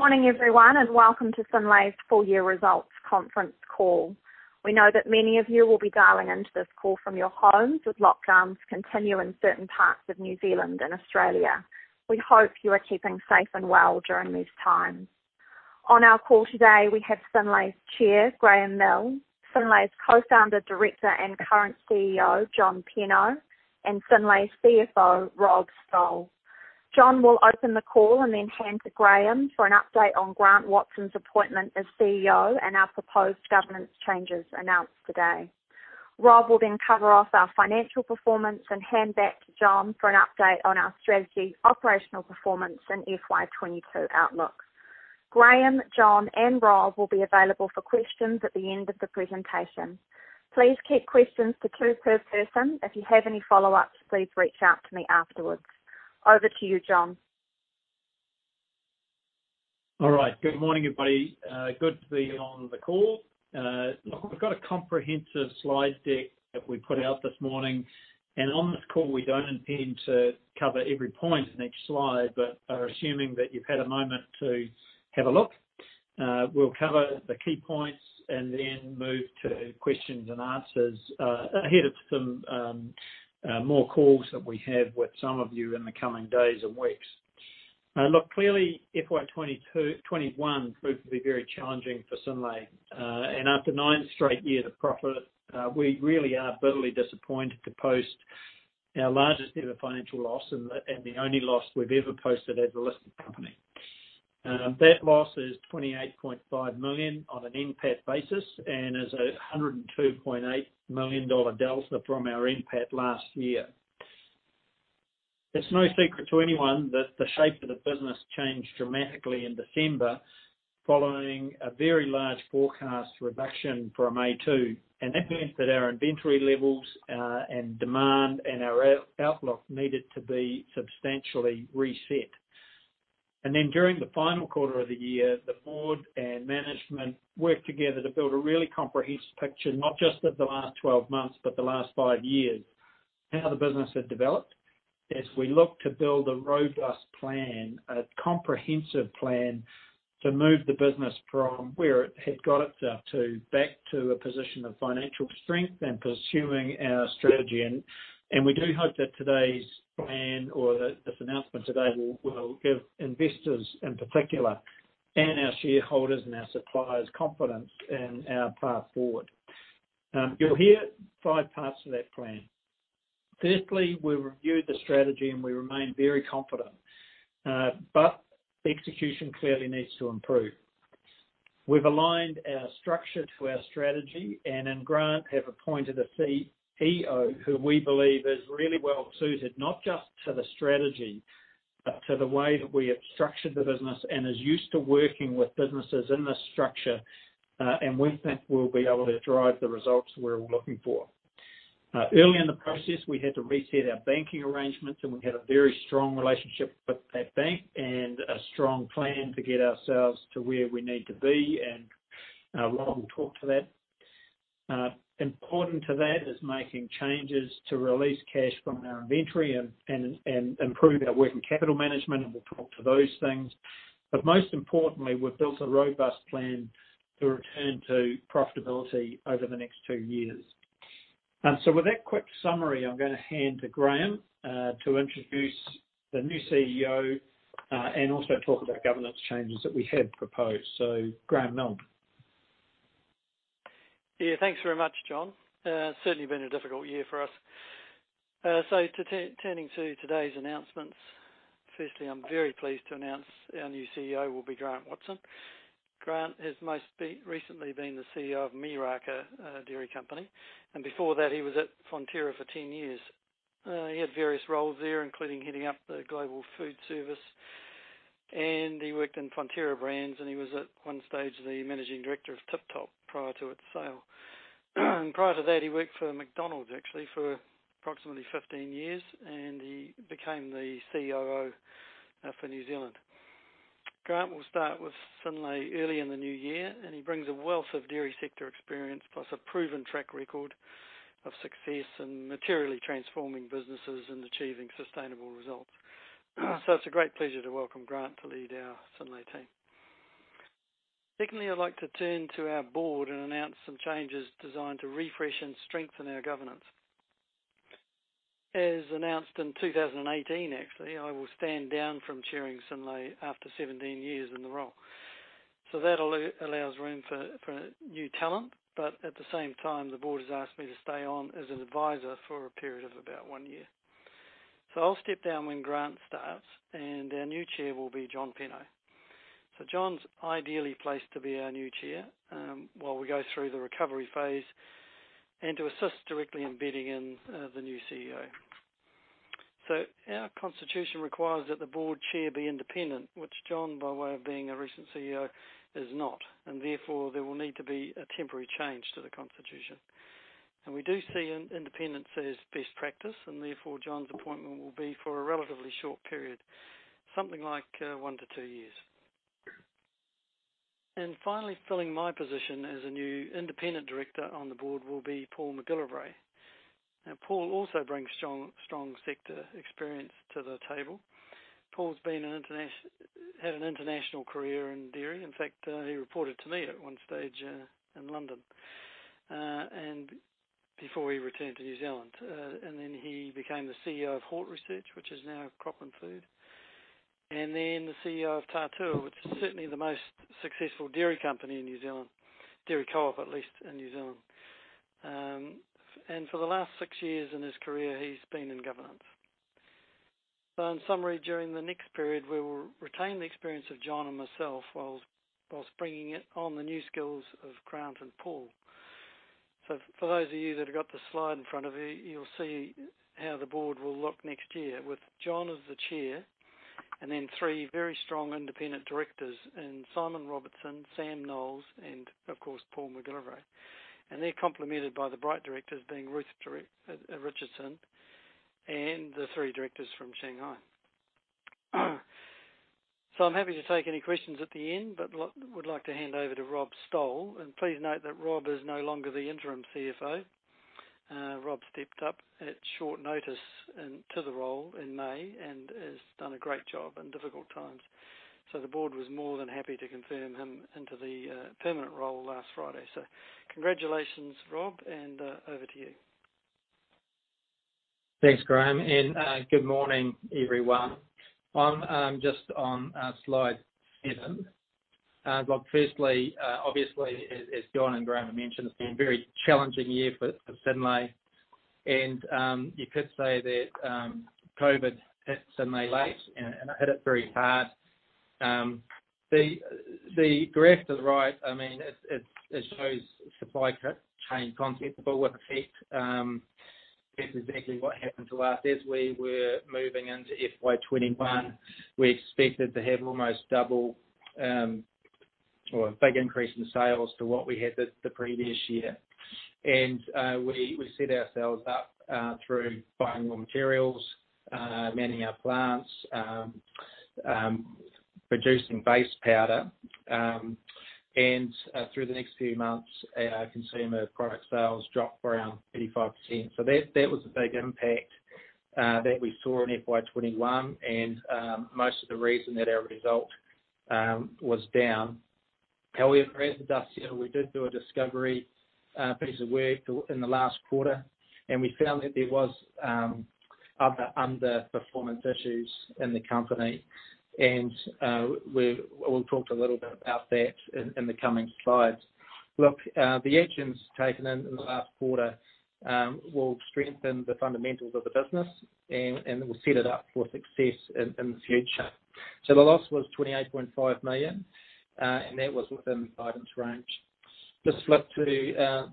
Morning everyone, welcome to Synlait's full year results conference call. We know that many of you will be dialing into this call from your homes as lockdowns continue in certain parts of New Zealand and Australia. We hope you are keeping safe and well during these times. On our call today, we have Synlait's Chair, Graeme Milne, Synlait's Co-founder, Director, and current CEO, John Penno, and Synlait's CFO, Rob Stowell. John will open the call and then hand to Graeme for an update on Grant Watson's appointment as CEO and our proposed governance changes announced today. Rob will then cover off our financial performance and hand back to John for an update on our strategy, operational performance, and FY 2022 outlook. Graeme, John, and Rob will be available for questions at the end of the presentation. Please keep questions to two per person. If you have any follow-ups, please reach out to me afterwards. Over to you, John. All right. Good morning, everybody. Good to be on the call. Look, we've got a comprehensive slide deck that we put out this morning. On this call, we don't intend to cover every point in each slide, but are assuming that you've had a moment to have a look. We'll cover the key points and then move to questions and answers, ahead of some more calls that we have with some of you in the coming days and weeks. Look, clearly, FY 2021 proved to be very challenging for Synlait. After nine straight years of profit, we really are bitterly disappointed to post our largest ever financial loss and the only loss we've ever posted as a listed company. That loss is 28.5 million on an NPAT basis and is NZD 102.8 million delta from our NPAT last year. It's no secret to anyone that the shape of the business changed dramatically in December, following a very large forecast reduction from A2. That meant that our inventory levels, and demand, and our outlook needed to be substantially reset. During the final quarter of the year, the board and management worked together to build a really comprehensive picture, not just of the last 12 months, but the last five years, how the business had developed as we look to build a robust plan, a comprehensive plan to move the business from where it had got itself to back to a position of financial strength and pursuing our strategy. We do hope that today's plan or this announcement today will give investors in particular, and our shareholders, and our suppliers confidence in our path forward. You'll hear five parts to that plan. Firstly, we reviewed the strategy and we remain very confident, but execution clearly needs to improve. We've aligned our structure to our strategy and in Grant have appointed a CEO who we believe is really well-suited, not just to the strategy, but to the way that we have structured the business and is used to working with businesses in this structure, and we think we'll be able to drive the results we're all looking for. Early in the process, we had to reset our banking arrangements, and we had a very strong relationship with that bank and a strong plan to get ourselves to where we need to be, and Rob will talk to that. Important to that is making changes to release cash from our inventory and improve our working capital management, and we'll talk to those things. Most importantly, we've built a robust plan to return to profitability over the next two years. With that quick summary, I'm going to hand to Graeme to introduce the new CEO, and also talk about governance changes that we had proposed. Graeme Milne. Yeah, thanks very much, John. Certainly been a difficult year for us. Turning to today's announcements, firstly, I'm very pleased to announce our new CEO will be Grant Watson. Grant has most recently been the CEO of Miraka dairy company, and before that he was at Fonterra for 10 years. He had various roles there, including heading up the global food service, and he worked in Fonterra Brands, and he was at one stage, the Managing Director of Tip Top prior to its sale. Prior to that, he worked for McDonald's actually for approximately 15 years, and he became the COO for New Zealand. Grant will start with Synlait early in the new year, and he brings a wealth of dairy sector experience, plus a proven track record of success in materially transforming businesses and achieving sustainable results. It's a great pleasure to welcome Grant to lead our Synlait team. Secondly, I'd like to turn to our board and announce some changes designed to refresh and strengthen our governance. As announced in 2018, actually, I will stand down from chairing Synlait after 17 years in the role. That allows room for new talent, but at the same time, the board has asked me to stay on as an advisor for a period of about one year. I'll step down when Grant starts, and our new chair will be John Penno. John's ideally placed to be our new chair, while we go through the recovery phase and to assist directly in bedding in the new CEO. Our constitution requires that the board chair be independent, which John, by way of being a recent CEO, is not, and therefore, there will need to be a temporary change to the constitution. We do see independence as best practice, and therefore John's appointment will be for a relatively short period, something like one to two years. Finally, filling my position as a new independent director on the board will be Paul McGilvary. Paul also brings strong sector experience to the table. Paul's had an international career in dairy. In fact, he reported to me at one stage in London, and before he returned to New Zealand. He became the CEO of HortResearch, which is now Crop & Food Research, and then the CEO of Tatua, which is certainly the most successful dairy company in New Zealand, dairy co-op, at least, in New Zealand. For the last six years in his career, he's been in governance. In summary, during the next period, we will retain the experience of John and myself whilst bringing it on the new skills of Grant and Paul. For those of you that have got the slide in front of you'll see how the board will look next year with John as the chair and then three very strong independent directors in Simon Robertson, Sam Knowles, and of course, Paul McGilvary. They're complemented by the Bright directors, being Ruth Richardson and the three directors from Shanghai. I'm happy to take any questions at the end, but would like to hand over to Rob Stowell. Please note that Rob is no longer the interim CFO. Rob stepped up at short notice to the role in May and has done a great job in difficult times. The board was more than happy to confirm him into the permanent role last Friday. Congratulations, Rob, and over to you. Thanks, Graeme. Good morning, everyone. I'm just on slide 7. Look, firstly, obviously, as John and Graeme have mentioned, it's been a very challenging year for Synlait, and you could say that COVID hit Synlait late, and it hit it very hard. The graph to the right, it shows supply chain concepts, that's exactly what happened to us. As we were moving into FY 2021, we expected to have almost double or a big increase in sales to what we had the previous year. We set ourselves up through buying raw materials, manning our plants, producing base powder. Through the next few months, our consumer product sales dropped around 85%. That was a big impact that we saw in FY 2021 and most of the reason that our result was down. However, as the dust settled, we did do a discovery piece of work in the last quarter, and we found that there was other underperformance issues in the company. We will talk a little bit about that in the coming slides. Look, the actions taken in the last quarter will strengthen the fundamentals of the business, and it will set it up for success in the future. The loss was 28.5 million, and that was within guidance range. Just flip to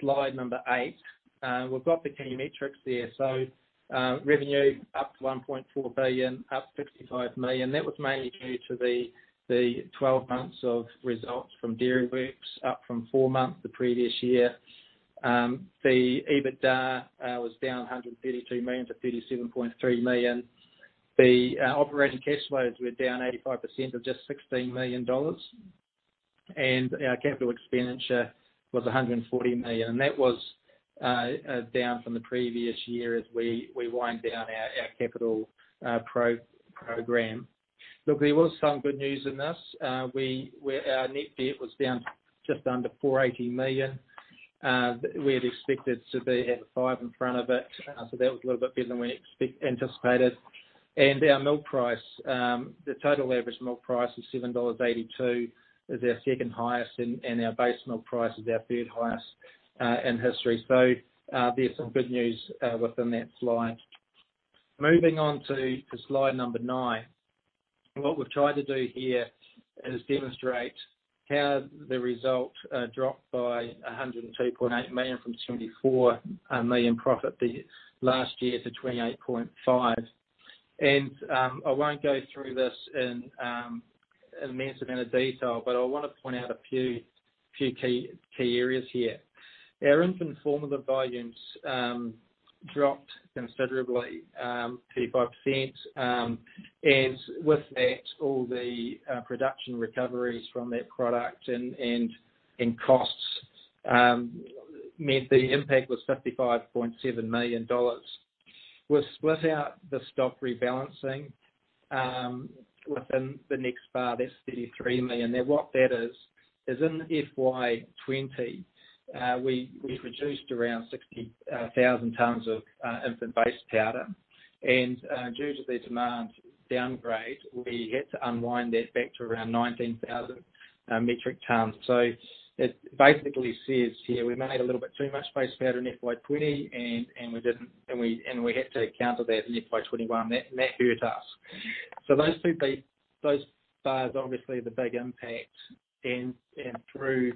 slide eight. We have got the key metrics there. Revenue up to 1.4 billion, up 55 million. That was mainly due to the 12 months of results from Dairyworks, up from four months the previous year. The EBITDA was down 132 million to 37.3 million. The operating cash flows were down 85% of just 16 million dollars. Our capital expenditure was 140 million, and that was down from the previous year as we wind down our capital program. Look, there was some good news in this. Our net debt was down just under 480 million. We had expected to be at a five in front of it, so that was a little bit better than we anticipated. Our milk price, the total average milk price is 7.82 dollars, is our second highest, and our base milk price is our third highest in history. There's some good news within that slide. Moving on to slide number nine. What we've tried to do here is demonstrate how the result dropped by 102.8 million from 74 million profit last year to 28.5. I won't go through this in an immense amount of detail, but I want to point out a few key areas here. Our infant formula volumes dropped considerably, 35%. With that, all the production recoveries from that product and in costs meant the impact was 55.7 million dollars. We've split out the stock rebalancing within the next bar, that's 33 million. What that is in FY 2020, we produced around 60,000 tonnes of infant base powder. Due to the demand downgrade, we had to unwind that back to around 19,000 metric tons. It basically says here we made a little bit too much base powder in FY 2020, and we had to counter that in FY 2021. That hurt us. Those bars are obviously the big impact and through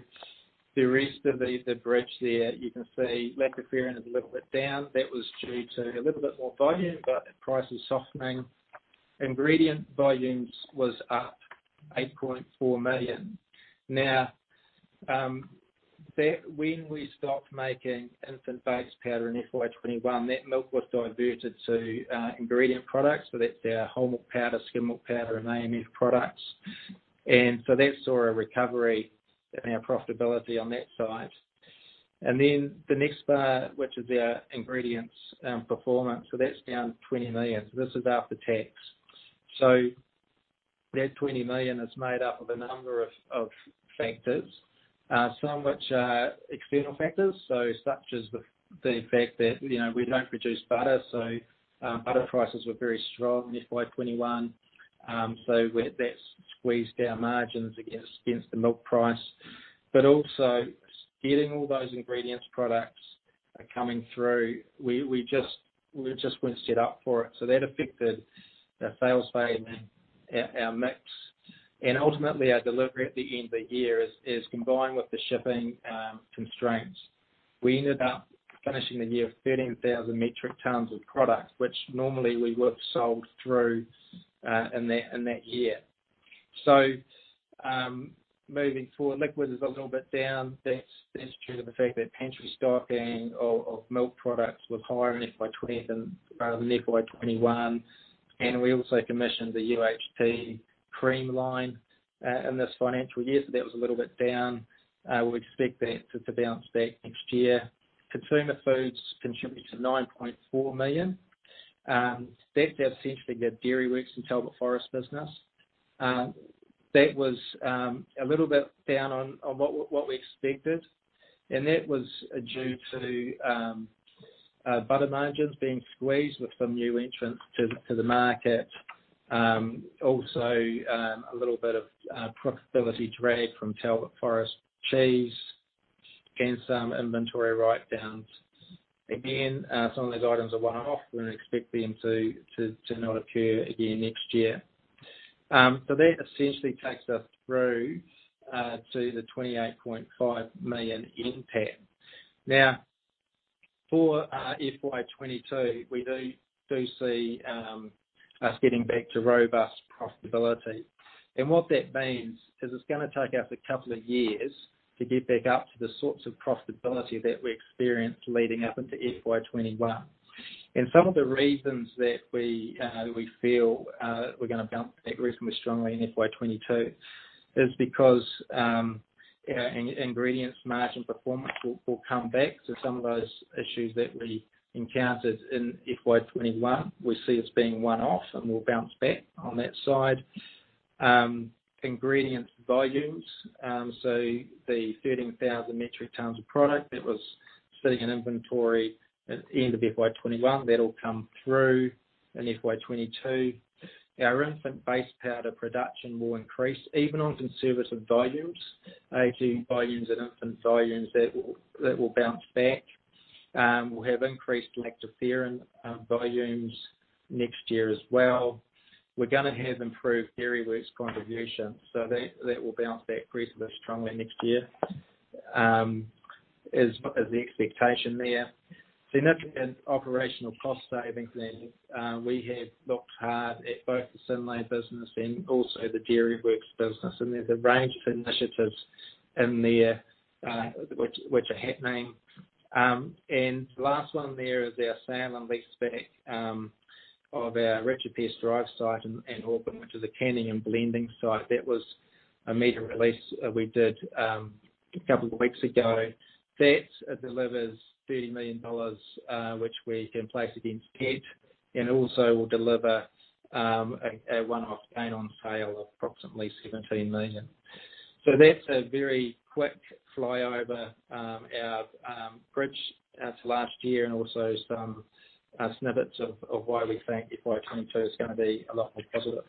the rest of the bridge there, you can see lactoferrin is a little bit down. That was due to a little bit more volume, but prices softening. Ingredient volumes was up 8.4 million. When we stopped making infant based powder in FY 2021, that milk was diverted to ingredient products. That's our whole milk powder, skim milk powder, and AMF products. That saw a recovery in our profitability on that side. The next bar, which is our ingredients performance, that's down 20 million. This is after tax. That 20 million is made up of a number of factors, some which are external factors, such as the fact that we don't produce butter prices were very strong in FY 2021. That squeezed our margins against the milk price. Also getting all those ingredients products coming through, we just weren't set up for it. That affected our sales volume and our mix, and ultimately our delivery at the end of the year, is combined with the shipping constraints. We ended up finishing the year 13,000 metric tons of product, which normally we would've sold through in that year. Moving forward. Liquid is a little bit down. That's due to the fact that pantry stocking of milk products was higher in FY 2020 than FY 2021. We also commissioned the UHT cream line, in this financial year, that was a little bit down. We expect that to bounce back next year. Consumer foods contributed to 9.4 million. That's essentially the Dairyworks and Talbot Forest Cheese business. That was a little bit down on what we expected. That was due to butter margins being squeezed with some new entrants to the market. Also, a little bit of profitability drag from Talbot Forest Cheese and some inventory write-downs. Again, some of those items are one-off. We expect them to not occur again next year. That essentially takes us through to the 28.5 million NPAT. Now, for FY 2022, we do see us getting back to robust profitability. What that means is it's going to take us a couple of years to get back up to the sorts of profitability that we experienced leading up into FY 2021. Some of the reasons that we feel we're going to bounce back reasonably strongly in FY 2022 is because our ingredients margin performance will come back. Some of those issues that we encountered in FY 2021, we see as being one-off and will bounce back on that side. Ingredient volumes, so the 13,000 metric tons of product that was sitting in inventory at the end of FY 2021, that'll come through in FY 2022. Our infant based powder production will increase even on conservative volumes, a2 volumes and infant volumes, that will bounce back. We'll have increased lactoferrin volumes next year as well. We're going to have improved Dairyworks contribution, that will bounce back reasonably strongly next year, as the expectation there. Significant operational cost savings. We have looked hard at both the Synlait business and also the Dairyworks business, and there's a range of initiatives in there, which are happening. The last one there is our sale and leaseback of our Richard Pearse Drive site in Auckland, which is a canning and blending site. That was a media release we did a couple of weeks ago. That delivers 30 million dollars, which we can place against debt and also will deliver a one-off gain on sale of approximately 17 million. That's a very quick flyover our bridge to last year and also some snippets of why we think FY 2022 is going to be a lot more positive.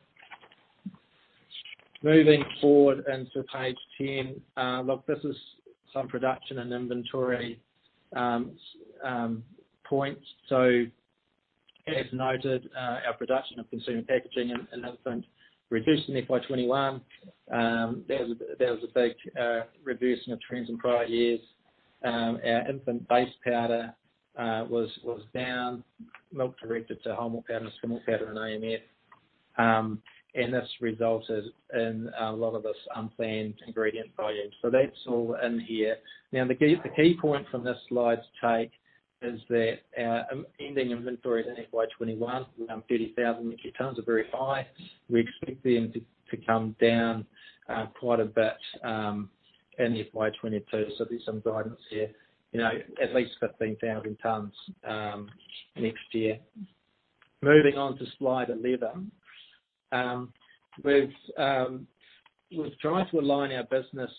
Moving forward into page 10. Look, this is some production and inventory points. As noted, our production of consumer packaging and infant reduced in FY 2021. That was a big reverse in the trends in prior years. Our infant based powder was down, milk directed to whole milk powder, skim milk powder, and AMF. This resulted in a lot of this unplanned ingredient volume. That's all in here. Now, the key point from this slide to take is that our ending inventories in FY 2021, around 30,000 metric tons, are very high. We expect them to come down quite a bit in FY 2022. There's some guidance here. At least 15,000 tons next year. Moving on to slide 11. We've tried to align our business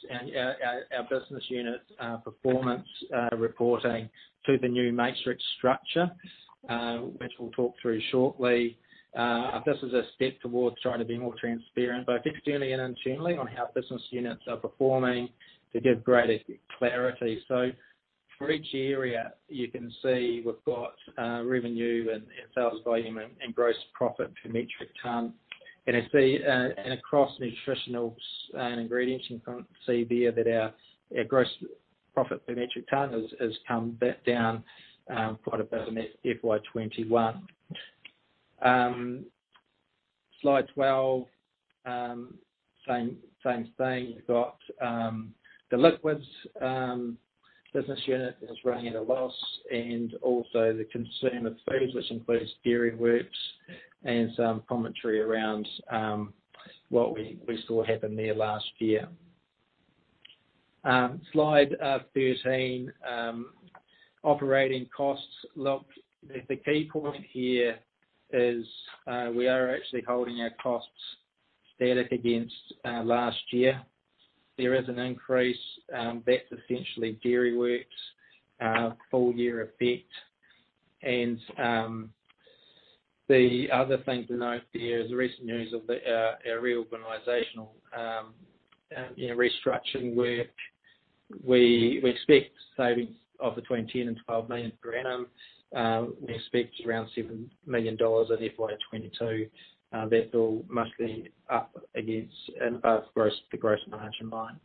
units' performance reporting to the new matrix structure, which we'll talk through shortly. This is a step towards trying to be more transparent, both externally and internally, on how business units are performing to give greater clarity. For each area, you can see we've got revenue and sales volume and gross profit per metric ton. Across Nutritionals and Ingredients, you can see there that our gross profit per metric ton has come back down quite a bit on that FY 2021. Slide 12, same thing. You've got the liquids business unit is running at a loss, and also the consumer foods, which includes Dairyworks and some commentary around what we saw happen there last year. Slide 13, operating costs. Look, the key point here is, we are actually holding our costs static against last year. There is an increase, that's essentially Dairyworks' full-year effect. The other thing to note there is the recent news of our reorganizational restructure work. We expect savings of between 10 million-12 million per annum. We expect around 7 million dollars of FY 2022. That will mostly up against, and above the gross margin line.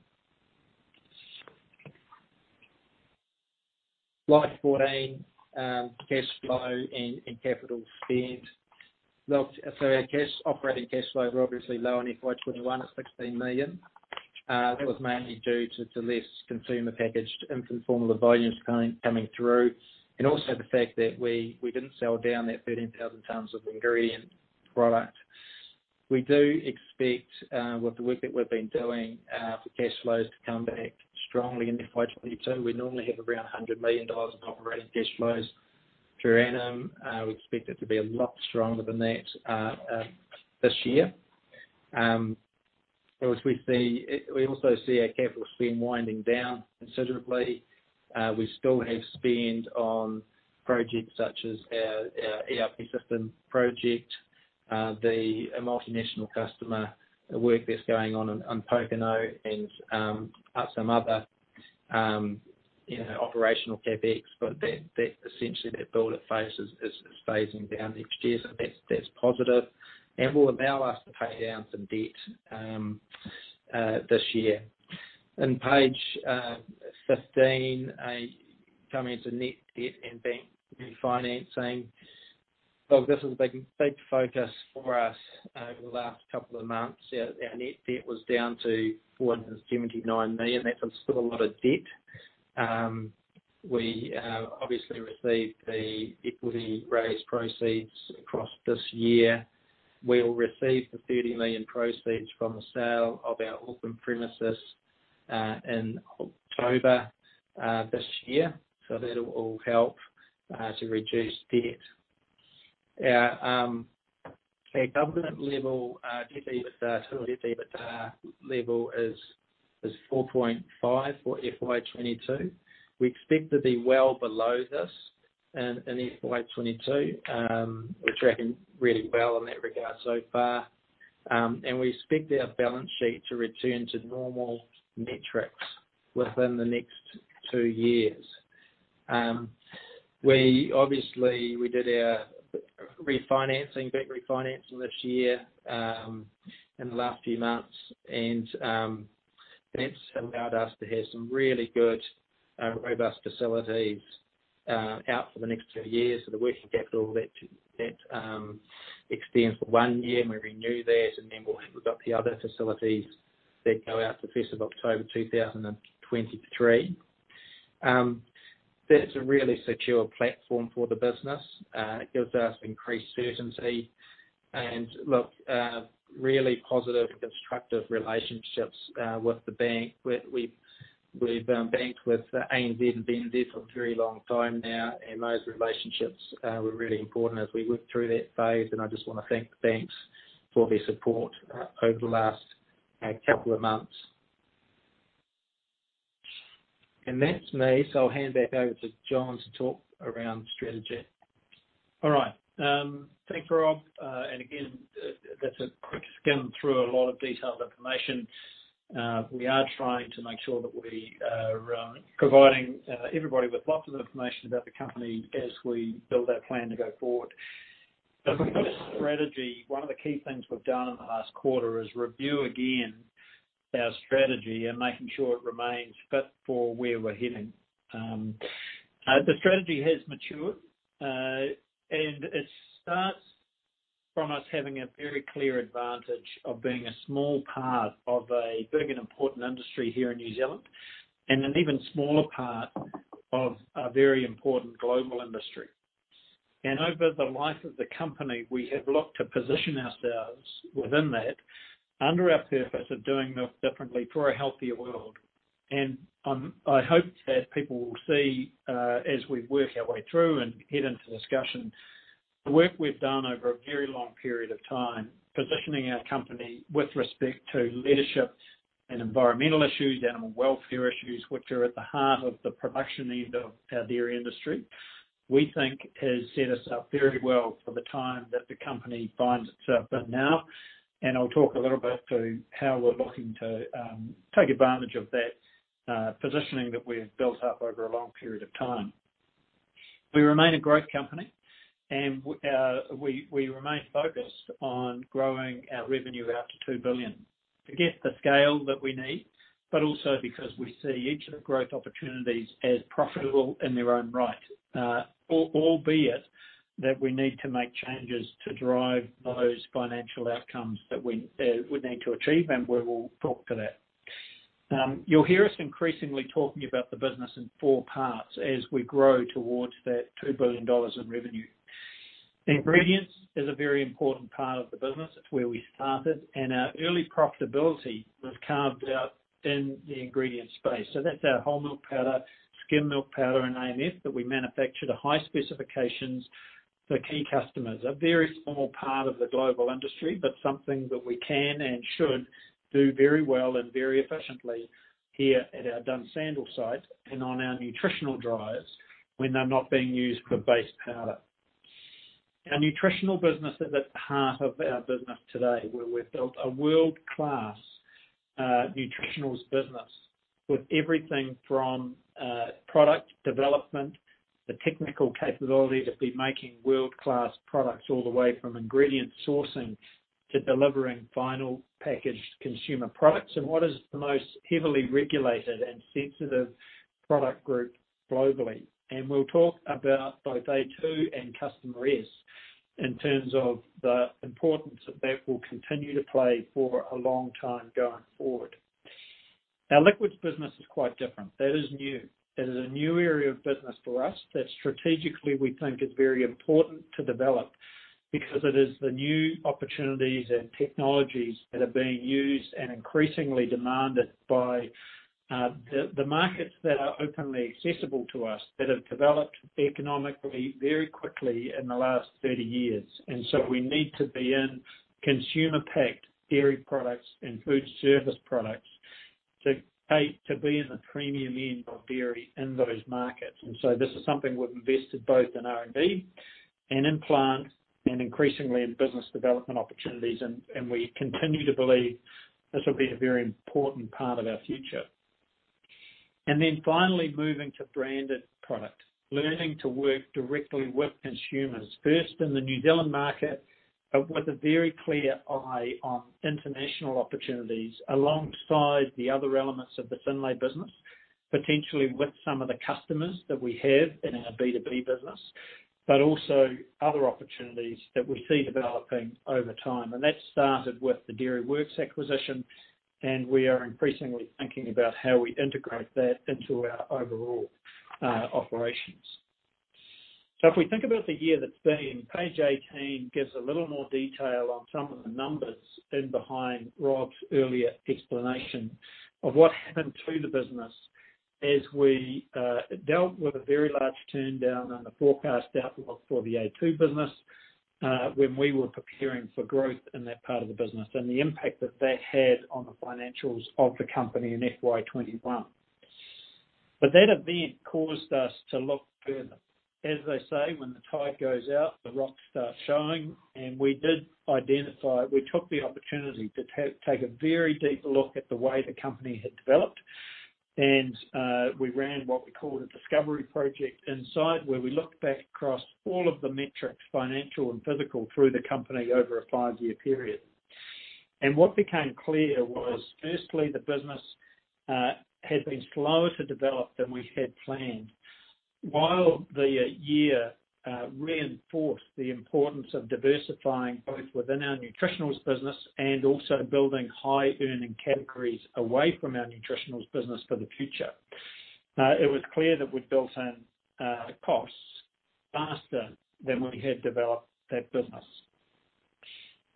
Slide 14, cash flow and capital spend. Our operating cash flow, we're obviously low on FY 2021 at 16 million. That was mainly due to less consumer packaged infant formula volumes coming through, and also the fact that we didn't sell down that 13,000 tons of ingredient product. We do expect, with the work that we've been doing, for cash flows to come back strongly in FY 2022. We normally have around 100 million dollars of operating cash flows per annum. We expect it to be a lot stronger than that this year. We also see our capital spend winding down considerably. We still have spend on projects such as our ERP system project, the multinational customer work that's going on in Pokeno and some other operational CapEx. Essentially, that build phase is phasing down each year, so that's positive and will allow us to pay down some debt this year. In page 15, coming into net debt and bank refinancing. Look, this has been a big focus for us over the last couple of months. Our net debt was down to 479 million. That's still a lot of debt. We obviously received the equity raise proceeds across this year. We'll receive the 30 million proceeds from the sale of our Auckland premises in October this year. That will all help to reduce debt. Our covenant level, total debt, EBITDA level is 4.5 for FY 2022. We expect to be well below this in FY 2022. We're tracking really well in that regard so far. We expect our balance sheet to return to normal metrics within the next two years. Obviously, we did our refinancing, bank refinancing this year, in the last few months, and that's allowed us to have some really good, robust facilities out for the next two years for the working capital. That extends for one year, and we renew that, and then we've got the other facilities that go out the 1st of October 2023. That's a really secure platform for the business. It gives us increased certainty and, look, really positive, constructive relationships with the bank. We've banked with ANZ and BNZ for a very long time now, and those relationships were really important as we worked through that phase, and I just want to thank the banks for their support over the last couple of months. That's me, so I'll hand back over to John to talk around strategy. All right. Thanks, Rob. Again, that's a quick scan through a lot of detailed information. We are trying to make sure that we are providing everybody with lots of information about the company as we build our plan to go forward. As we look at strategy, one of the key things we've done in the last quarter is review again our strategy and making sure it remains fit for where we're heading. The strategy has matured, and it starts from us having a very clear advantage of being a small part of a big and important industry here in New Zealand, and an even smaller part of a very important global industry. Over the life of the company, we have looked to position ourselves within that, under our purpose of doing milk differently for a healthier world. I hope that people will see, as we work our way through and head into discussion, the work we've done over a very long period of time, positioning our company with respect to leadership and environmental issues, animal welfare issues, which are at the heart of the production end of our dairy industry, we think has set us up very well for the time that the company finds itself in now. I'll talk a little bit to how we're looking to take advantage of that positioning that we've built up over a long period of time. We remain a growth company, and we remain focused on growing our revenue out to 2 billion to get the scale that we need. Also because we see each of the growth opportunities as profitable in their own right. Albeit that we need to make changes to drive those financial outcomes that we would need to achieve, and we will talk to that. You'll hear us increasingly talking about the business in four parts as we grow towards that 2 billion dollars in revenue. Ingredients is a very important part of the business. It's where we started, and our early profitability was carved out in the ingredient space. That's our whole milk powder, skim milk powder, and AMF that we manufacture to high specifications for key customers. A very small part of the global industry, but something that we can and should do very well and very efficiently here at our Dunsandel site and on our nutritional dryers when they're not being used for base powder. Our nutritional business is at the heart of our business today, where we've built a world-class nutritionals business with everything from product development, the technical capability to be making world-class products all the way from ingredient sourcing to delivering final packaged consumer products in what is the most heavily regulated and sensitive product group globally. We'll talk about both a2 and customer risk in terms of the importance that will continue to play for a long time going forward. Our liquids business is quite different. That is new. That is a new area of business for us that strategically we think is very important to develop because it is the new opportunities and technologies that are being used and increasingly demanded by the markets that are openly accessible to us that have developed economically very quickly in the last 30 years. We need to be in consumer-packed dairy products and food service products to be in the premium end of dairy in those markets. This is something we've invested both in R&D and in plant and increasingly in business development opportunities, and we continue to believe this will be a very important part of our future. Finally, moving to branded product. Learning to work directly with consumers, first in the New Zealand market, but with a very clear eye on international opportunities alongside the other elements of the Synlait business, potentially with some of the customers that we have in our B2B business, but also other opportunities that we see developing over time. That started with the Dairyworks acquisition, and we are increasingly thinking about how we integrate that into our overall operations. If we think about the year that's been, page 18 gives a little more detail on some of the numbers in behind Robert Stowell's earlier explanation of what happened to the business as we dealt with a very large turndown in the forecast outlook for the a2 business, when we were preparing for growth in that part of the business, and the impact that that had on the financials of the company in FY 2021. That event caused us to look further. As they say, when the tide goes out, the rocks start showing, and we did identify. We took the opportunity to take a very deep look at the way the company had developed. We ran what we called a discovery project inside, where we looked back across all of the metrics, financial and physical, through the company over a five-year period. What became clear was, firstly, the business had been slower to develop than we had planned. While the year reinforced the importance of diversifying both within our nutritionals business and also building high-earning categories away from our nutritionals business for the future, it was clear that we'd built in costs faster than we had developed that business.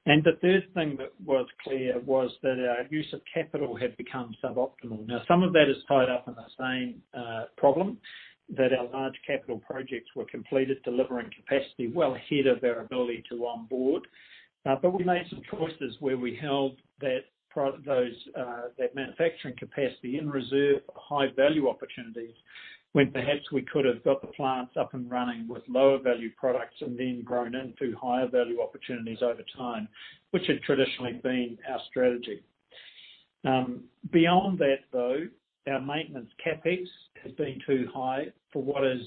The third thing that was clear was that our use of capital had become suboptimal. Some of that is tied up in the same problem, that our large capital projects were completed delivering capacity well ahead of our ability to onboard. We made some choices where we held that manufacturing capacity in reserve for high-value opportunities, when perhaps we could have got the plants up and running with lower-value products and then grown into higher-value opportunities over time, which had traditionally been our strategy. Beyond that, though, our maintenance CapEx has been too high for what is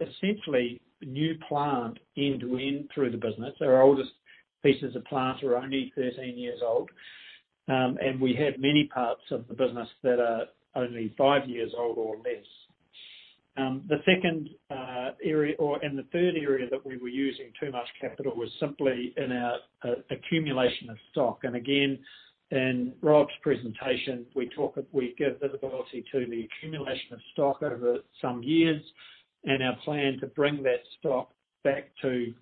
essentially new plant end-to-end through the business. Our oldest pieces of plant are only 13 years old. We have many parts of the business that are only five years old or less. The third area that we were using too much capital was simply in our accumulation of stock. Again, in Rob's presentation, we give visibility to the accumulation of stock over some years and our plan to bring that stock back to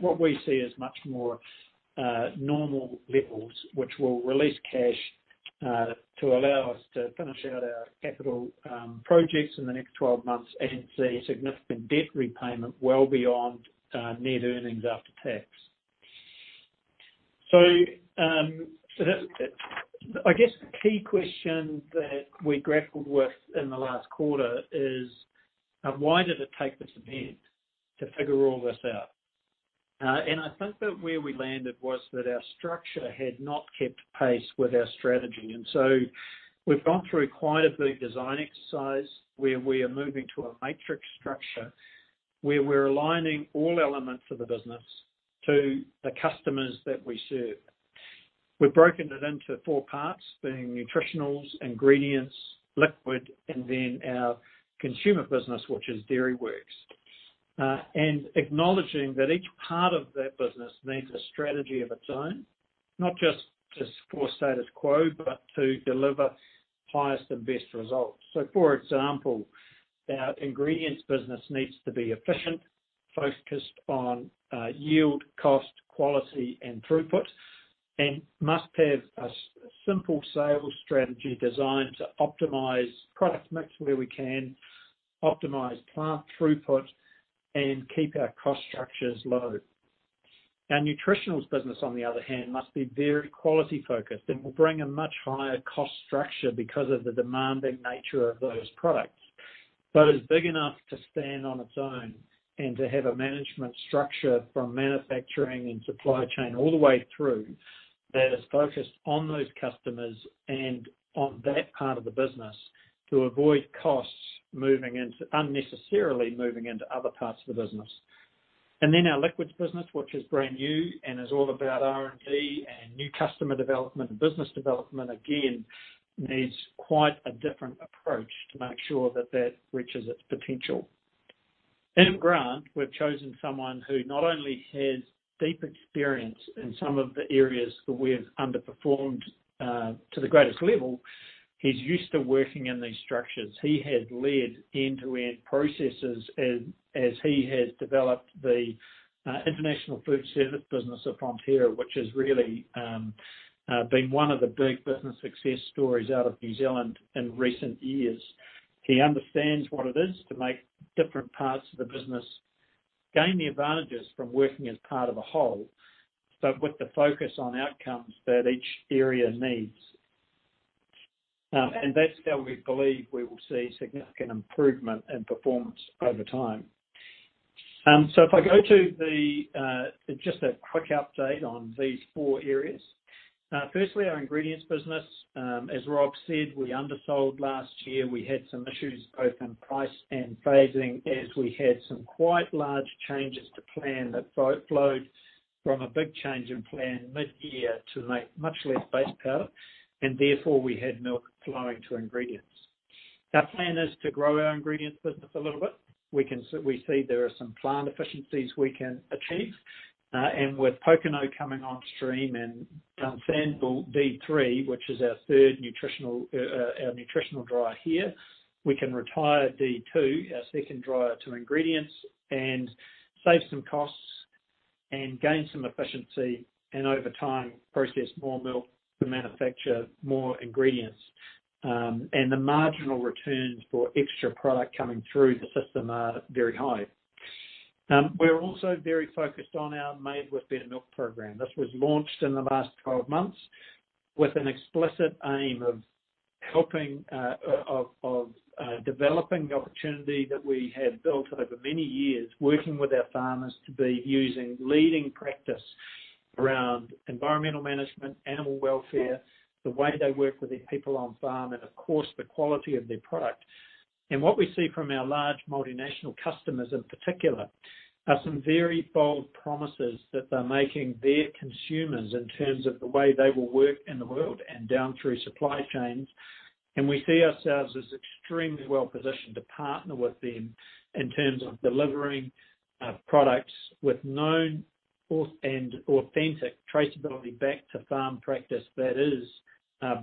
what we see as much more normal levels. Which will release cash to allow us to finish out our capital projects in the next 12 months and see significant debt repayment well beyond net earnings after tax. I guess the key question that we grappled with in the last quarter is, why did it take this event to figure all this out? I think that where we landed was that our structure had not kept pace with our strategy. We've gone through quite a big design exercise where we are moving to a matrix structure where we're aligning all elements of the business to the customers that we serve. We've broken it into four parts, being nutritionals, ingredients, liquid, and then our consumer business, which is Dairyworks. Acknowledging that each part of that business needs a strategy of its own, not just to support status quo, but to deliver highest and best results. For example, our ingredients business needs to be efficient, focused on yield, cost, quality and throughput, and must have a simple sales strategy designed to optimize product mix where we can, optimize plant throughput, and keep our cost structures low. Our nutritionals business, on the other hand, must be very quality-focused and will bring a much higher cost structure because of the demanding nature of those products. It is big enough to stand on its own and to have a management structure from manufacturing and supply chain all the way through, that is focused on those customers and on that part of the business to avoid costs unnecessarily moving into other parts of the business. Our liquids business, which is brand new and is all about R&D and new customer development and business development, again, needs quite a different approach to make sure that that reaches its potential. In Grant, we've chosen someone who not only has deep experience in some of the areas that we have underperformed to the greatest level, he's used to working in these structures. He has led end-to-end processes as he has developed the international food service business of Fonterra, which has really been one of the big business success stories out of New Zealand in recent years. He understands what it is to make different parts of the business gain the advantages from working as part of a whole, but with the focus on outcomes that each area needs. That's how we believe we will see significant improvement in performance over time. If I go to the, just a quick update on these four areas. Firstly, our ingredients business. As Rob said, we undersold last year. We had some issues both in price and phasing, as we had some quite large changes to plan that flowed from a big change in plan mid-year to make much less base powder, and therefore we had milk flowing to ingredients. Our plan is to grow our ingredients business a little bit. We see there are some plant efficiencies we can achieve. With Pokeno coming on stream and Dunsandel D3, which is our third nutritional dryer here, we can retire D2, our second dryer to ingredients, and save some costs and gain some efficiency, and over time, process more milk to manufacture more ingredients. The marginal returns for extra product coming through the system are very high. We're also very focused on our Made with Better Milk program. This was launched in the last 12 months with an explicit aim of developing the opportunity that we have built over many years, working with our farmers to be using leading practice around environmental management, animal welfare, the way they work with their people on farm, and of course, the quality of their product. What we see from our large multinational customers in particular, are some very bold promises that they're making their consumers in terms of the way they will work in the world and down through supply chains. We see ourselves as extremely well-positioned to partner with them in terms of delivering products with known and authentic traceability back to farm practice that is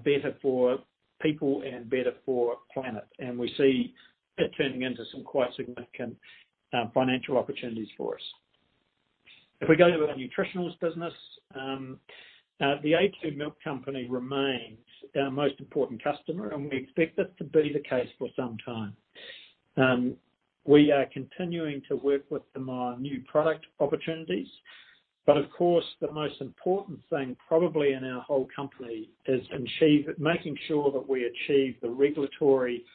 better for people and better for planet. We see it turning into some quite significant financial opportunities for us. If we go to our nutritionals business, The a2 Milk Company remains our most important customer, and we expect this to be the case for some time. We are continuing to work with them on new product opportunities. Of course, the most important thing probably in our whole company is making sure that we achieve the regulatory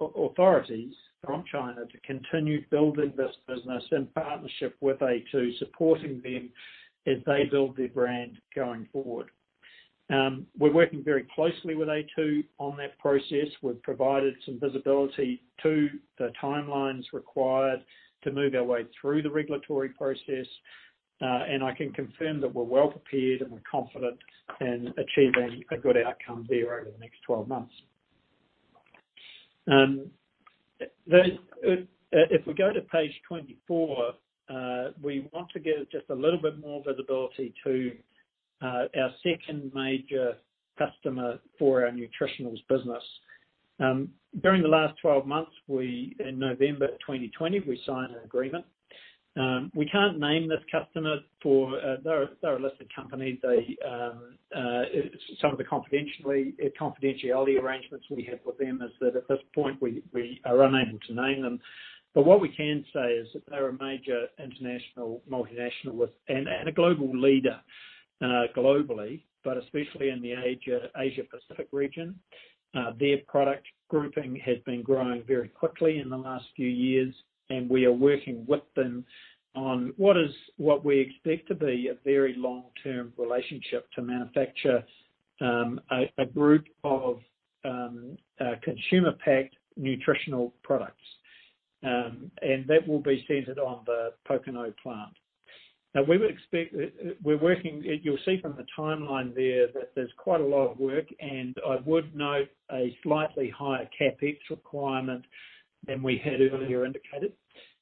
authorities from China to continue building this business in partnership with a2, supporting them as they build their brand going forward. We're working very closely with a2 on that process. We've provided some visibility to the timelines required to move our way through the regulatory process. I can confirm that we're well prepared and we're confident in achieving a good outcome there over the next 12 months. If we go to page 24, we want to give just a little bit more visibility to our second major customer for our nutritionals business. During the last 12 months, in November 2020, we signed an agreement. We can't name this customer. They're a listed company. Some of the confidentiality arrangements we have with them is that at this point, we are unable to name them. What we can say is that they're a major international multinational and a global leader globally, but especially in the Asia Pacific region. Their product grouping has been growing very quickly in the last few years, and we are working with them on what we expect to be a very long-term relationship to manufacture a group of consumer-packed nutritional products. That will be centered on the Pokeno plant. You'll see from the timeline there that there's quite a lot of work, I would note a slightly higher CapEx requirement than we had earlier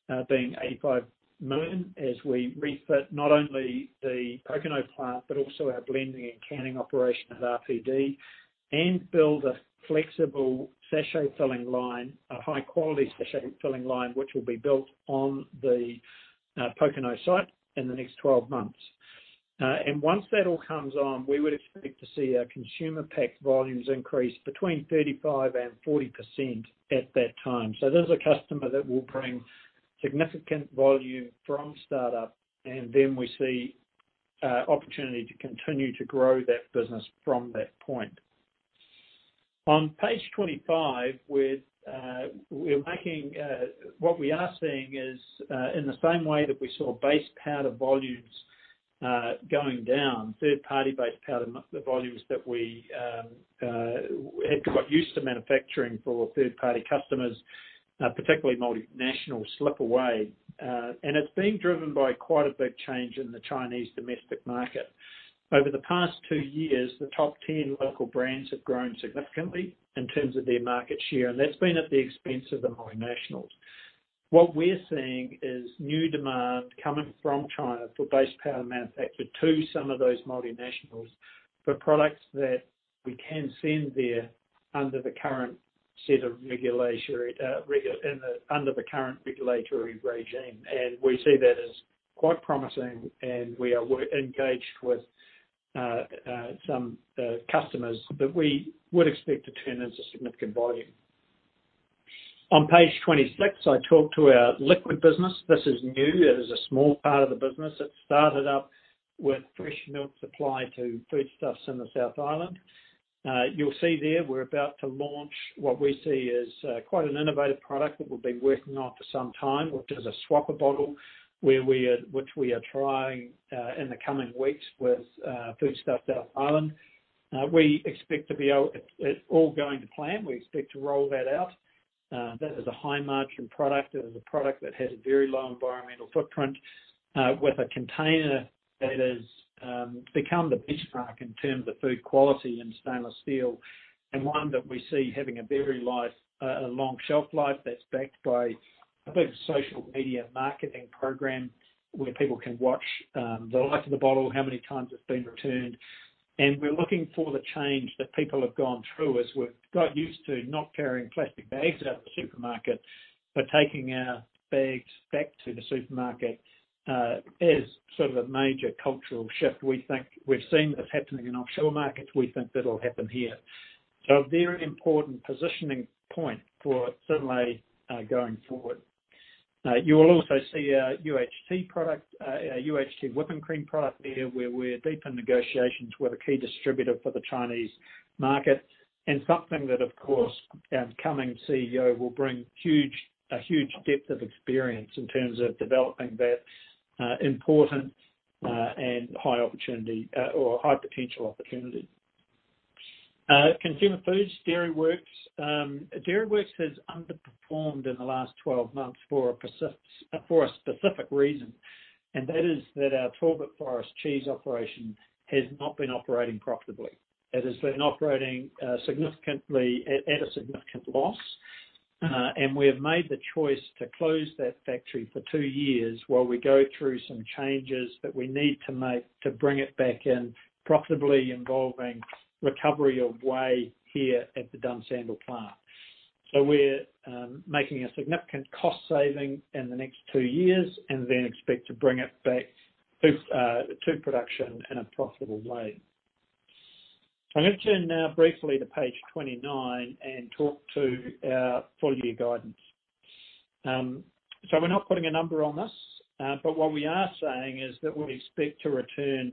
indicated, being 85 million as we refit not only the Pokeno plant but also our blending and canning operation at RPD and build a flexible sachet filling line, a high-quality sachet filling line, which will be built on the Pokeno site in the next 12 months. Once that all comes on, we would expect to see our consumer pack volumes increase between 35% and 40% at that time. This is a customer that will bring significant volume from startup, then we see opportunity to continue to grow that business from that point. On page 25, what we are seeing is, in the same way that we saw base powder volumes going down, third-party base powder, the volumes that we had got used to manufacturing for third-party customers, particularly multinationals, slip away. It's being driven by quite a big change in the Chinese domestic market. Over the past two years, the top 10 local brands have grown significantly in terms of their market share, and that's been at the expense of the multinationals. What we're seeing is new demand coming from China for base powder manufactured to some of those multinationals for products that we can send there under the current regulatory regime. We see that as quite promising, and we are engaged with some customers that we would expect to turn into significant volume. On page 26, I talk to our liquid business. This is new. It is a small part of the business. It started up with fresh milk supply to Foodstuffs in the South Island. You'll see there, we're about to launch what we see as quite an innovative product that we've been working on for some time, which is a Swappa Bottle, which we are trying in the coming weeks with Foodstuffs South Island. If all going to plan, we expect to roll that out. That is a high-margin product. It is a product that has a very low environmental footprint, with a container that has become the benchmark in terms of food quality in stainless steel and one that we see having a very long shelf life that's backed by a big social media marketing program, where people can watch the life of the bottle, how many times it's been returned. We're looking for the change that people have gone through as we've got used to not carrying plastic bags out of the supermarket, but taking our bags back to the supermarket, as sort of a major cultural shift. We've seen this happening in offshore markets. We think that'll happen here. A very important positioning point for Synlait going forward. You will also see a UHT whipping cream product there, where we're deep in negotiations with a key distributor for the Chinese market and something that, of course, our coming CEO will bring a huge depth of experience in terms of developing that important and high potential opportunity. Consumer foods, Dairyworks. Dairyworks has underperformed in the last 12 months for a specific reason, and that is that our Talbot Forest Cheese operation has not been operating profitably. It has been operating at a significant loss, and we have made the choice to close that factory for two years while we go through some changes that we need to make to bring it back in profitably, involving recovery of whey here at the Dunsandel plant. We're making a significant cost saving in the next two years and then expect to bring it back to production in a profitable way. I'm going to turn now briefly to page 29 and talk to our full-year guidance. We're not putting a number on this. What we are saying is that we expect to return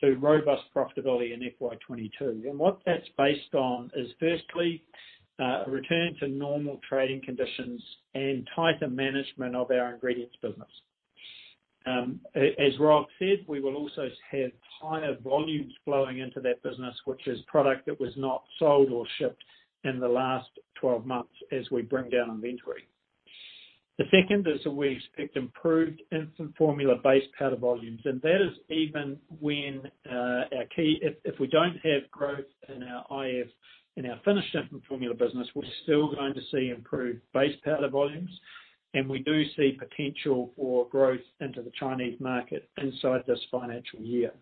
to robust profitability in FY 2022. What that's based on is firstly, a return to normal trading conditions and tighter management of our ingredients business. As Rob said, we will also have higher volumes flowing into that business, which is product that was not sold or shipped in the last 12 months as we bring down inventory. The second is that we expect improved infant formula base powder volumes. That is even if we don't have growth in our finished infant formula business, we're still going to see improved base powder volumes, and we do see potential for growth into the Chinese market inside this financial year.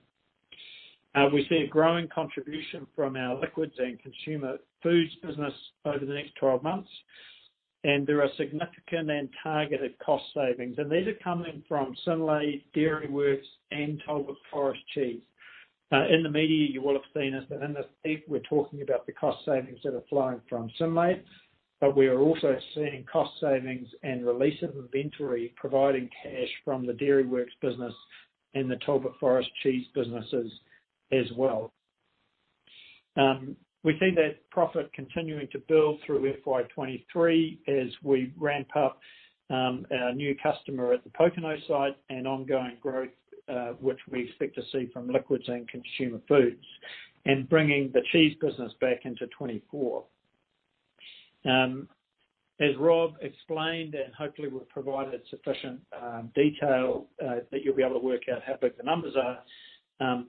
We see a growing contribution from our liquids and consumer foods business over the next 12 months, and there are significant and targeted cost savings. These are coming from Synlait, Dairyworks, and Talbot Forest Cheese. In the media, you will have seen us, but in this EP, we're talking about the cost savings that are flowing from Synlait, but we are also seeing cost savings and release of inventory, providing cash from the Dairyworks business and the Talbot Forest Cheese businesses as well. We see that profit continuing to build through FY 2023 as we ramp up our new customer at the Pokeno site and ongoing growth, which we expect to see from liquids and consumer foods and bringing the cheese business back into 2024. As Rob explained, and hopefully we've provided sufficient detail that you'll be able to work out how big the numbers are,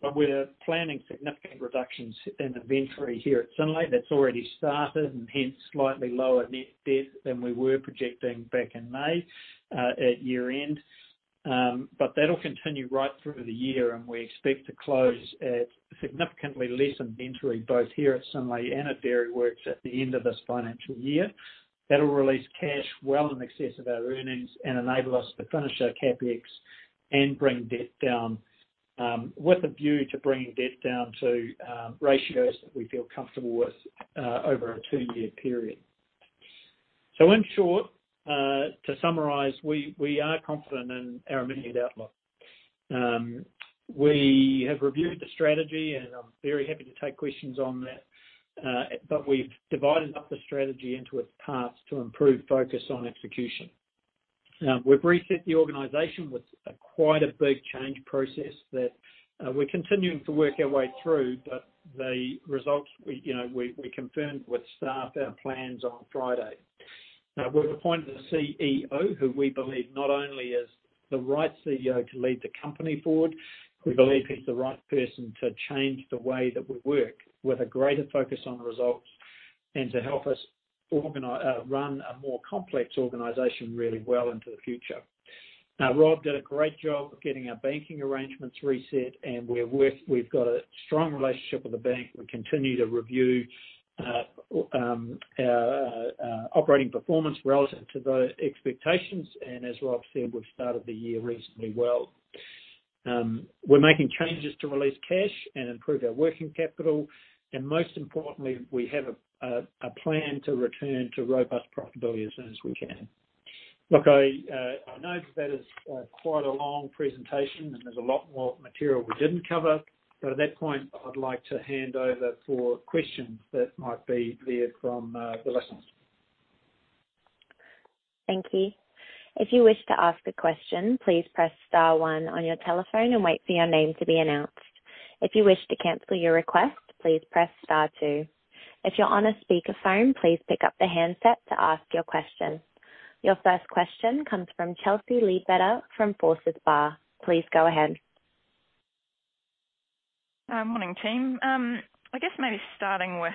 but we're planning significant reductions in inventory here at Synlait. That's already started, and hence slightly lower net debt than we were projecting back in May at year-end. That'll continue right through the year, and we expect to close at significantly less inventory both here at Synlait and at Dairyworks at the end of this financial year. That'll release cash well in excess of our earnings and enable us to finish our CapEx and bring debt down, with a view to bringing debt down to ratios that we feel comfortable with over a two-year period. In short, to summarize, we are confident in our immediate outlook. We have reviewed the strategy, and I'm very happy to take questions on that, but we've divided up the strategy into its parts to improve focus on execution. We've reset the organization with quite a big change process that we're continuing to work our way through, but the results, we confirmed with staff our plans on Friday. We've appointed a CEO who we believe not only is the right CEO to lead the company forward, we believe he's the right person to change the way that we work, with a greater focus on results and to help us run a more complex organization really well into the future. Rob did a great job of getting our banking arrangements reset, we've got a strong relationship with the bank. We continue to review our operating performance relative to those expectations, as Rob said, we've started the year reasonably well. We're making changes to release cash and improve our working capital, most importantly, we have a plan to return to robust profitability as soon as we can. Look, I know that is quite a long presentation, and there's a lot more material we didn't cover, but at that point, I'd like to hand over for questions that might be there from the listeners. Thank you. If you wish to ask a question, please press star one on your telephone and wait for your name to be announced. If you wish to cancel your request, please press star two. If your on to speak your term please pick up the handset to ask your question. Your first question comes from Chelsea Leadbetter from Forsyth Barr. Please go ahead. Morning, team. I guess maybe starting with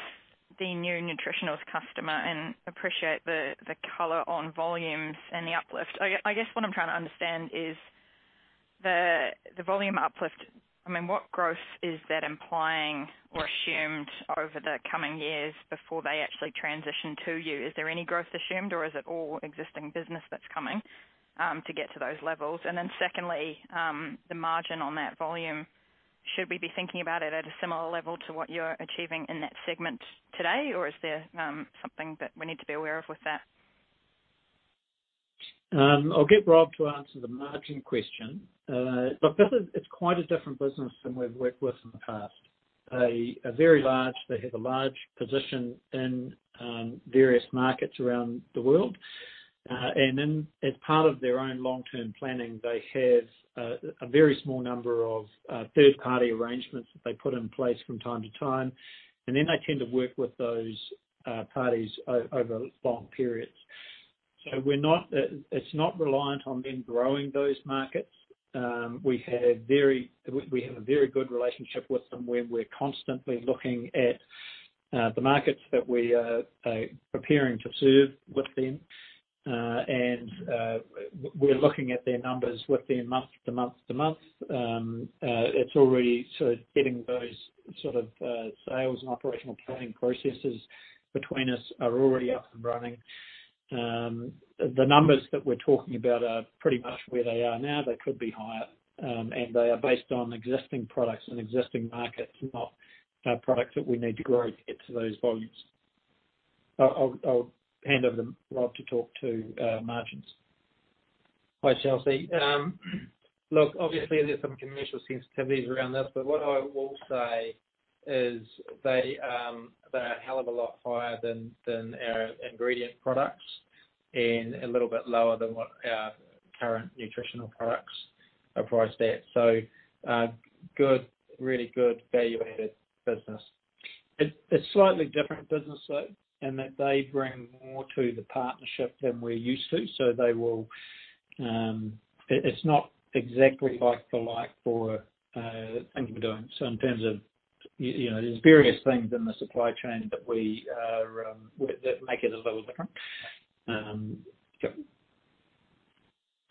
the new Nutritionals customer and appreciate the color on volumes and the uplift. I guess what I'm trying to understand is the volume uplift. What growth is that implying or assumed over the coming years before they actually transition to you? Is there any growth assumed, or is it all existing business that's coming to get to those levels? Then secondly, the margin on that volume, should we be thinking about it at a similar level to what you're achieving in that segment today, or is there something that we need to be aware of with that? I'll get Rob to answer the margin question. Look, it's quite a different business than we've worked with in the past. They have a large position in various markets around the world. As part of their own long-term planning, they have a very small number of third-party arrangements that they put in place from time to time, and then they tend to work with those parties over long periods. It's not reliant on them growing those markets. We have a very good relationship with them where we're constantly looking at the markets that we are preparing to serve with them. We're looking at their numbers with them month to month to month. Getting those sales and operational planning processes between us are already up and running. The numbers that we're talking about are pretty much where they are now. They could be higher, they are based on existing products and existing markets, not products that we need to grow to get to those volumes. I'll hand over to Rob to talk to margins. Hi, Chelsea. Look, obviously, there's some commercial sensitivities around this, but what I will say is they are a hell of a lot higher than our ingredient products and a little bit lower than what our current nutritional products are priced at. Really good value-added business. It's slightly different business, though, in that they bring more to the partnership than we're used to. It's not exactly like the like for the things we're doing. There's various things in the supply chain that make it a little different. Yep.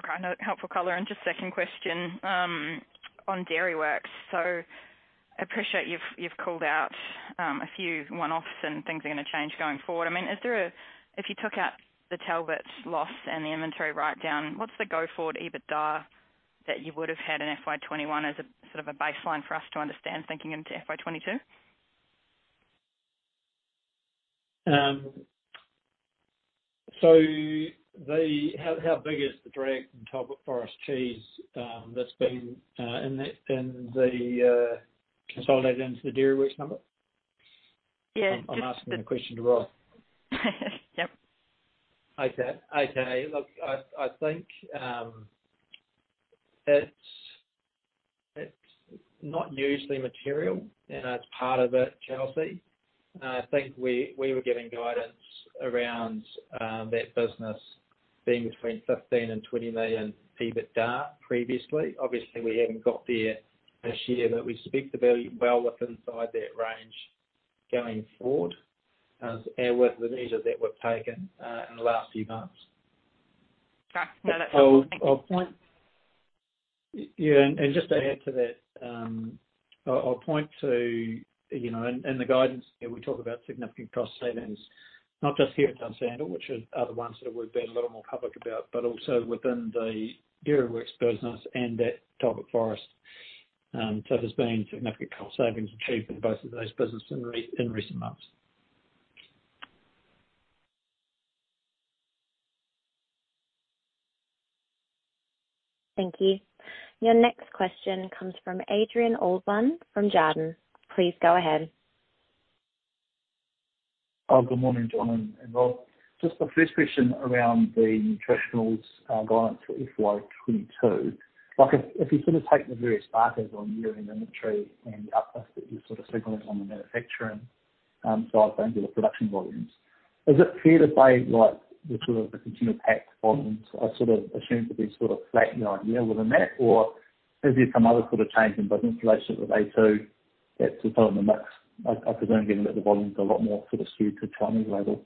Okay. No, helpful color. Just second question on Dairyworks. I appreciate you've called out a few one-offs and things are going to change going forward. If you took out the Talbot loss and the inventory write-down, what's the go-forward EBITDA that you would've had in FY 2021 as a baseline for us to understand thinking into FY 2022? How big is the drag from Talbot Forest Cheese that's been consolidated into the Dairyworks number? Yeah. I'm asking the question to Rob. Yep. Okay. Look, I think it's not usually material, and that's part of it, Chelsea. I think we were giving guidance around that business being between 15 million and 20 million EBITDA previously. Obviously, we haven't got there this year, we expect to be well within inside that range going forward with the measures that were taken in the last few months. Great. No, that's all. Thank you. Just to add to that, I'll point to in the guidance, we talk about significant cost savings, not just here at Dunsandel, which are the ones that we've been a little more public about, but also within the Dairyworks business and at Talbot Forest. There's been significant cost savings achieved in both of those businesses in recent months. Thank you. Your next question comes from Adrian Allbon from Jarden. Please go ahead. Good morning, John and Rob. The first question around the nutritionals guidance for FY 2022. Like if you take the various data on year-end inventory and the uplift that you're signaling on the manufacturing side of things or the production volumes, is it fair to say like the consumer pack volumes are assumed to be flat year within that? Is there some other change in business relations with a2 that's in the mix? I presume, again, that the volume is a lot more skewed to Chinese label.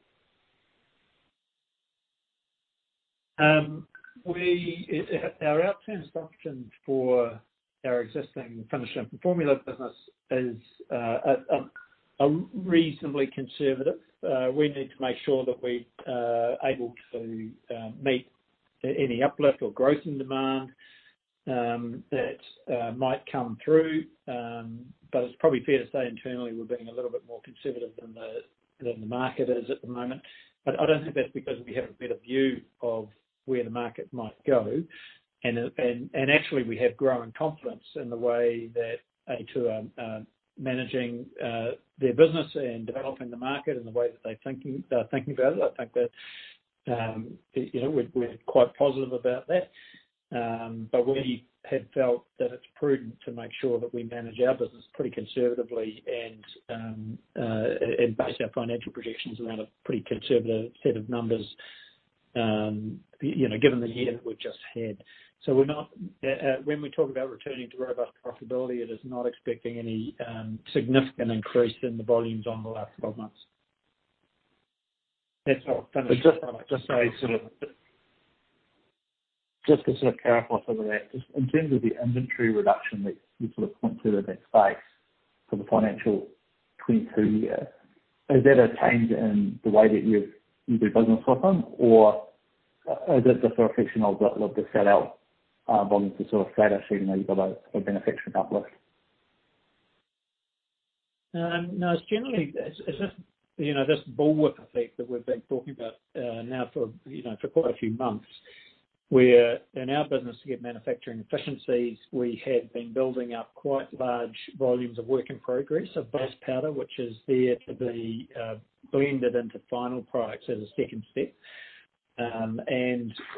Our outlook assumption for our existing finished infant formula business is reasonably conservative. We need to make sure that we're able to meet any uplift or growth in demand that might come through. It's probably fair to say internally, we're being a little bit more conservative than the market is at the moment. I don't think that's because we have a better view of where the market might go. Actually, we have grown confidence in the way that a2 are managing their business and developing the market and the way that they are thinking about it. I think that we're quite positive about that. We have felt that it's prudent to make sure that we manage our business pretty conservatively and base our financial projections around a pretty conservative set of numbers, given the year that we've just had. When we talk about returning to robust profitability, it is not expecting any significant increase in the volumes on the last 12 months. That's all. Just to clarify some of that, just in terms of the inventory reduction that you pointed to in that space for the financial 2022 year, is that a change in the way that you do business with them? Or is it just a reflection of the sellout volumes are fatter, seeing that you've got a manufacturing uplift? No, it's generally, this bullwhip effect that we've been talking about now for quite a few months, where in our business to get manufacturing efficiencies, we have been building up quite large volumes of work in progress of base powder, which is there to be blended into final products as a second step.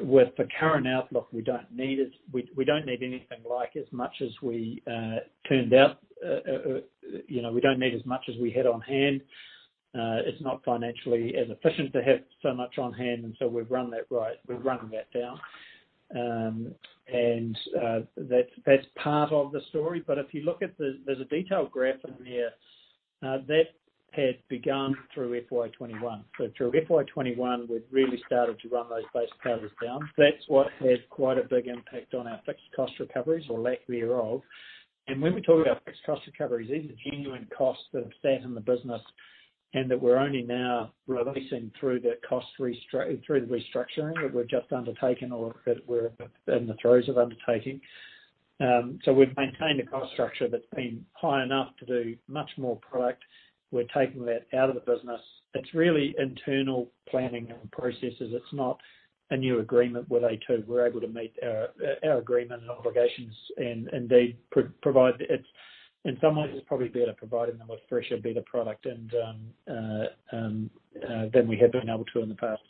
With the current outlook, we don't need anything like as much as we turned out. We don't need as much as we had on hand. It's not financially as efficient to have so much on hand, we've run that right. We've run that down. That's part of the story. If you look at There's a detailed graph in there that had begun through FY 2021. Through FY 2021, we've really started to run those base powders down. That's what had quite a big impact on our fixed cost recoveries or lack thereof. When we talk about fixed cost recoveries, these are genuine costs that have sat in the business and that we're only now releasing through the restructuring that we've just undertaken or that we're in the throes of undertaking. We've maintained a cost structure that's been high enough to do much more product. We're taking that out of the business. It's really internal planning and processes. It's not a new agreement with a2. We're able to meet our agreement and obligations, and indeed provide, in some ways, it's probably better providing them with fresher, better product than we have been able to in the past.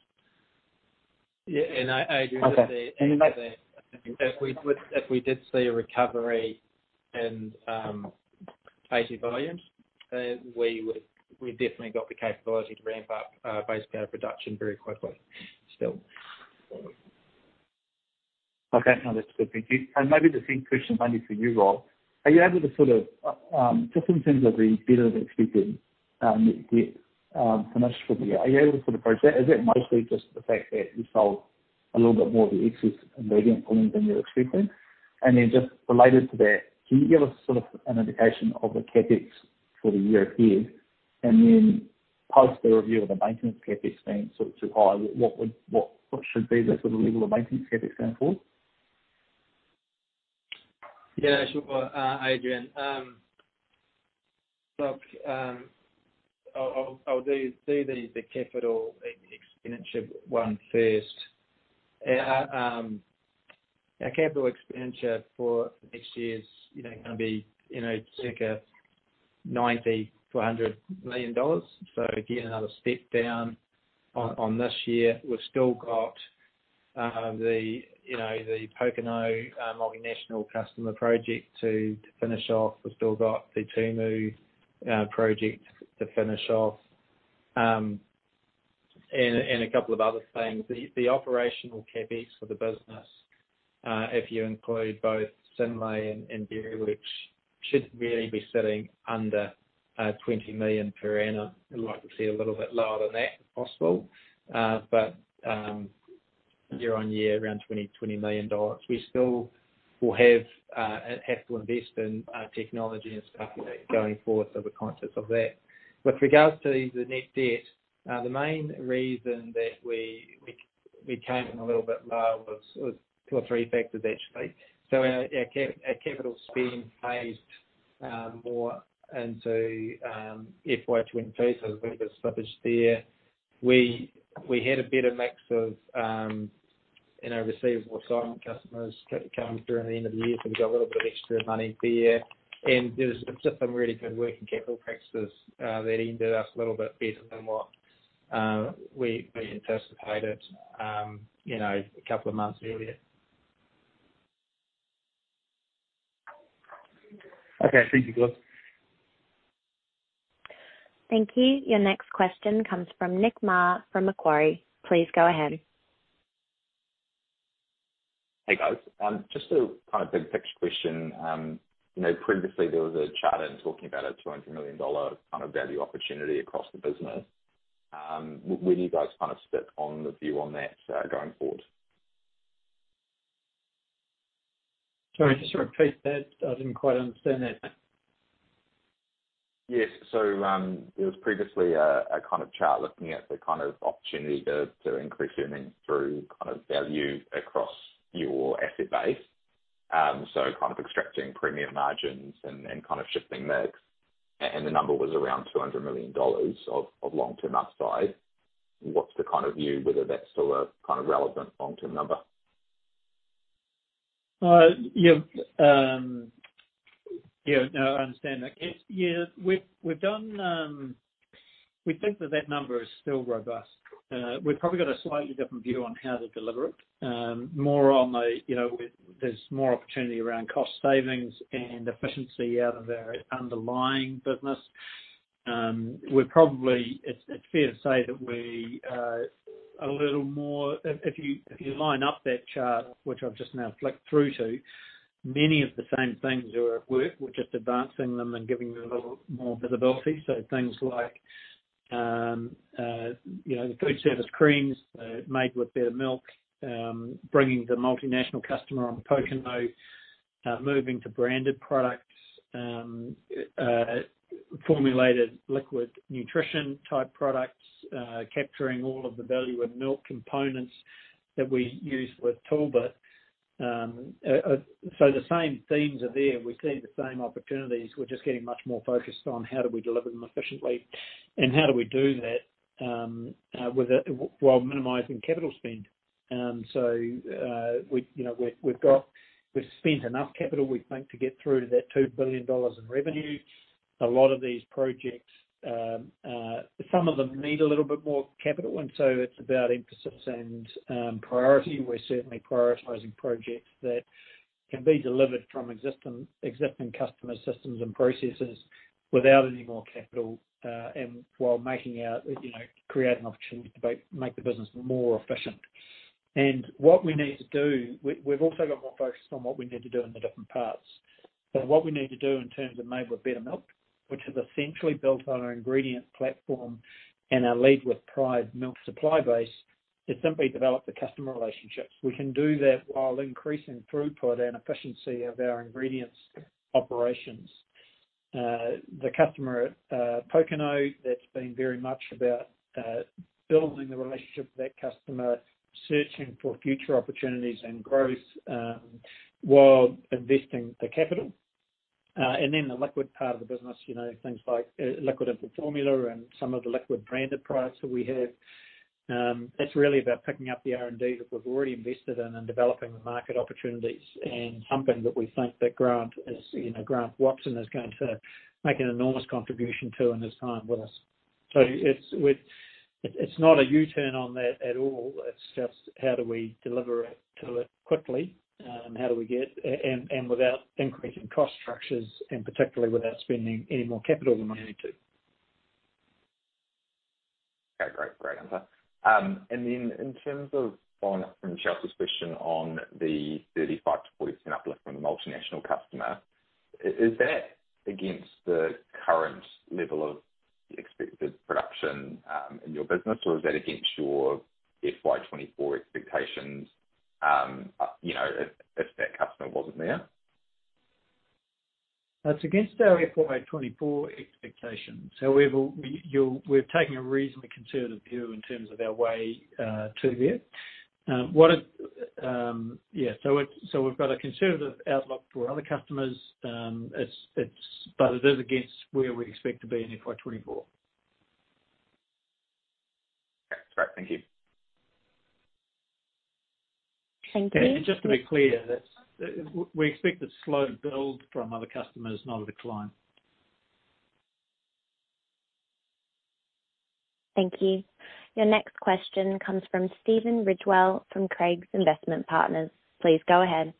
Adrian, if we did see a recovery in basic volumes, we definitely got the capability to ramp up base powder production very quickly still. Okay. No, that's good. Thank you. Maybe the same question only for you, Rob. Are you able to, just in terms of the better-than-expected net debt finish for the year, are you able to approach that? Is that mostly just the fact that you sold a little bit more of the excess ingredient volume than you were expecting? Just related to that, can you give us an indication of the CapEx for the year ahead? Post the review of the maintenance CapEx being too high, what should be the level of maintenance CapEx going forward? Yeah, sure, Adrian. I'll do the capital expenditure one first. Our CapEx for next year is going to be circa 90 million-100 million dollars. Again, another step down on this year. We've still got the Pokeno multinational customer project to finish off. We've still got the Tumu project to finish off, and a couple of other things. The operational CapEx for the business, if you include both Synlait and Dairyworks should really be sitting under 20 million per annum, you're likely to see a little bit lower than that if possible. Year-on-year, around 20 million dollars. We still will have to invest in technology and stuff like that going forward. The concept of that. With regards to the net debt, the main reason that we came in a little bit low was two or three factors, actually. Our capital spend phased more into FY 2023, so there's a bit of slippage there. We had a better mix of receivable assignment customers coming through in the end of the year, so we got a little bit of extra money there. There's just some really good working capital practices that ended us a little bit better than what we anticipated a couple of months earlier. Okay. Thank you, Adrian. Thank you. Your next question comes from Nick Mar from Macquarie. Please go ahead. Hey, guys. Just a kind of big picture question. Previously there was a chart talking about a 200 million dollar kind of value opportunity across the business. Where do you guys kind of sit on the view on that going forward? Sorry, just repeat that. I didn't quite understand that. Yes. There was previously a kind of chart looking at the kind of opportunity to increase earnings through kind of value across your asset base. Kind of extracting premium margins and kind of shifting mix. The number was around 200 million dollars of long-term upside. What's the kind of view whether that's still a kind of relevant long-term number? Yeah. No, I understand that. We think that that number is still robust. We've probably got a slightly different view on how to deliver it. There's more opportunity around cost savings and efficiency out of our underlying business. It's fair to say that we are a little more If you line up that chart, which I've just now flicked through to, many of the same things are at work. We're just advancing them and giving them a little more visibility. Things like, the food service creams Made with Better Milk, bringing the multinational customer on Pokeno, moving to branded products, formulated liquid nutrition-type products, capturing all of the value add milk components that we use with Talbot. The same themes are there. We see the same opportunities. We're just getting much more focused on how do we deliver them efficiently and how do we do that while minimizing capital spend. We've spent enough capital, we think, to get through to that 2 billion dollars in revenue. A lot of these projects, some of them need a little bit more capital, it's about emphasis and priority. We're certainly prioritizing projects that can be delivered from existing customer systems and processes without any more capital, and while making it, create an opportunity to make the business more efficient. What we need to do, we've also got more focused on what we need to do in the different parts. What we need to do in terms of Made with Better Milk, which is essentially built on our ingredient platform and our Lead With Pride milk supply base, is simply develop the customer relationships. We can do that while increasing throughput and efficiency of our ingredients operations. The customer at Pokeno, that's been very much about building the relationship with that customer, searching for future opportunities and growth, while investing the capital. The liquid part of the business, things like liquid infant formula and some of the liquid branded products that we have, it's really about picking up the R&D that we've already invested in and developing the market opportunities and something that we think that Grant Watson is going to make an enormous contribution to in his time with us. It's not a U-turn on that at all. It's just how do we deliver it quickly, and without increasing cost structures, and particularly without spending any more capital than we need to. Okay, great answer. In terms of following up from Chelsea's question on the 35%-40% uplift from the multinational customer, is that against the current level of expected production, in your business, or is that against your FY 2024 expectations, if that customer wasn't there? It's against our FY 2024 expectation. We've taken a reasonably conservative view in terms of our way to there. We've got a conservative outlook for other customers, but it is against where we expect to be in FY 2024. Great. Thank you. Thank you. Just to be clear, we expect a slow build from other customers, not a decline. Thank you. Your next question comes from Stephen Ridgewell from Craigs Investment Partners. Please go ahead.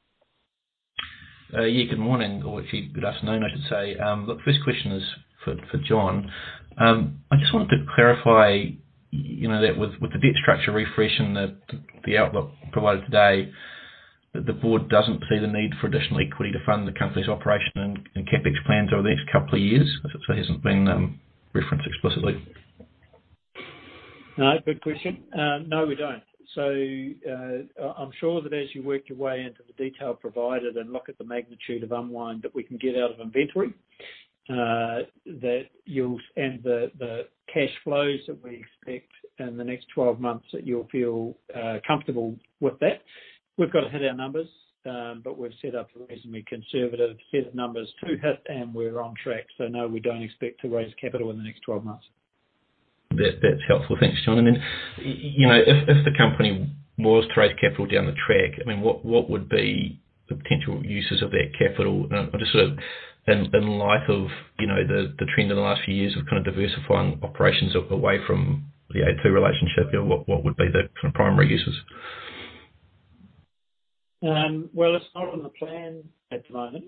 Yeah, good morning, or actually good afternoon, I should say. Look, first question is for John. I just wanted to clarify, that with the debt structure refresh and the outlook provided today, that the board doesn't see the need for additional equity to fund the company's operation and CapEx plans over the next couple of years if it hasn't been referenced explicitly? No, good question. No, we don't. I'm sure that as you work your way into the detail provided and look at the magnitude of unwind that we can get out of inventory, and the cash flows that we expect in the next 12 months, that you'll feel comfortable with that. We've got to hit our numbers, but we've set up reasonably conservative set of numbers to hit and we're on track. No, we don't expect to raise capital in the next 12 months. That's helpful. Thanks, John. If the company was to raise capital down the track, what would be the potential uses of that capital? Just sort of in light of the trend in the last few years of kind of diversifying operations away from the a2 relationship, what would be the kind of primary uses? Well, it's not in the plan at the moment.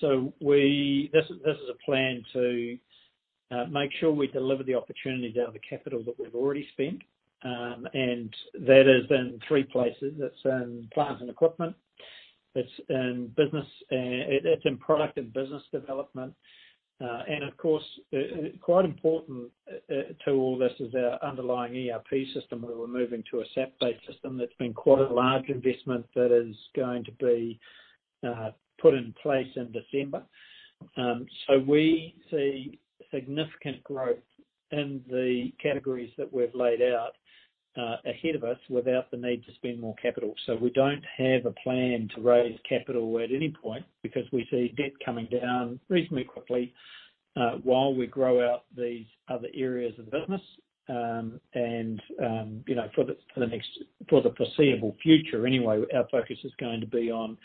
This is a plan to make sure we deliver the opportunity down the capital that we've already spent. That is in three places. It's in plant and equipment, it's in product and business development. Of course, quite important to all this is our underlying ERP system, where we're moving to a SAP-based system that's been quite a large investment that is going to be put in place in December. We see significant growth in the categories that we've laid out ahead of us without the need to spend more capital. We don't have a plan to raise capital at any point because we see debt coming down reasonably quickly, while we grow out these other areas of the business. For the foreseeable future anyway, our focus is going to be on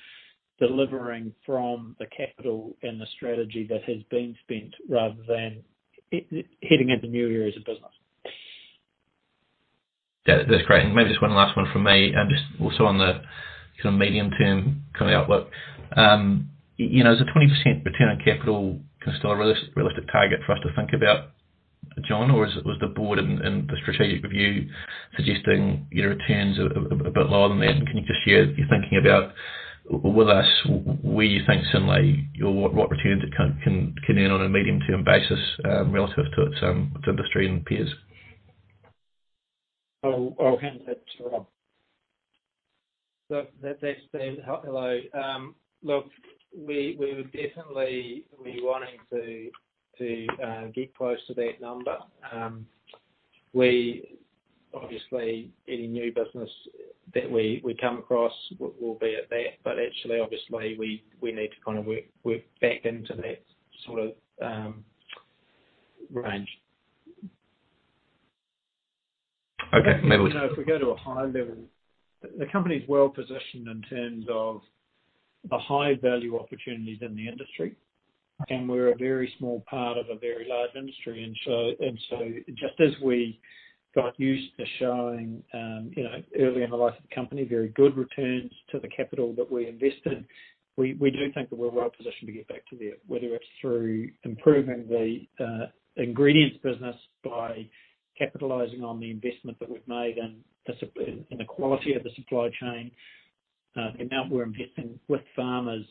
delivering from the capital and the strategy that has been spent rather than hitting into new areas of business. That's great. Maybe just one last one from me, just also on the kind of medium term kind of outlook. Is a 20% return on capital kind of still a realistic target for us to think about, John? Was the board and the strategic review suggesting your returns are a bit lower than that? Can you just share your thinking about with us where you think Synlait, what returns it can earn on a medium term basis, relative to industry and peers? I'll hand that to Rob. That's fair. Hello. We would definitely be wanting to get close to that number. Obviously, any new business that we come across will be at that, actually obviously we need to kind of work back into that sort of range. Okay, maybe we can. If we go to a high level, the company's well positioned in terms of the high-value opportunities in the industry, and we're a very small part of a very large industry. Just as we got used to showing, early in the life of the company, very good returns to the capital that we invested, we do think that we're well positioned to get back to there. Whether it's through improving the ingredients business by capitalizing on the investment that we've made in the quality of the supply chain, the amount we're investing with farmers,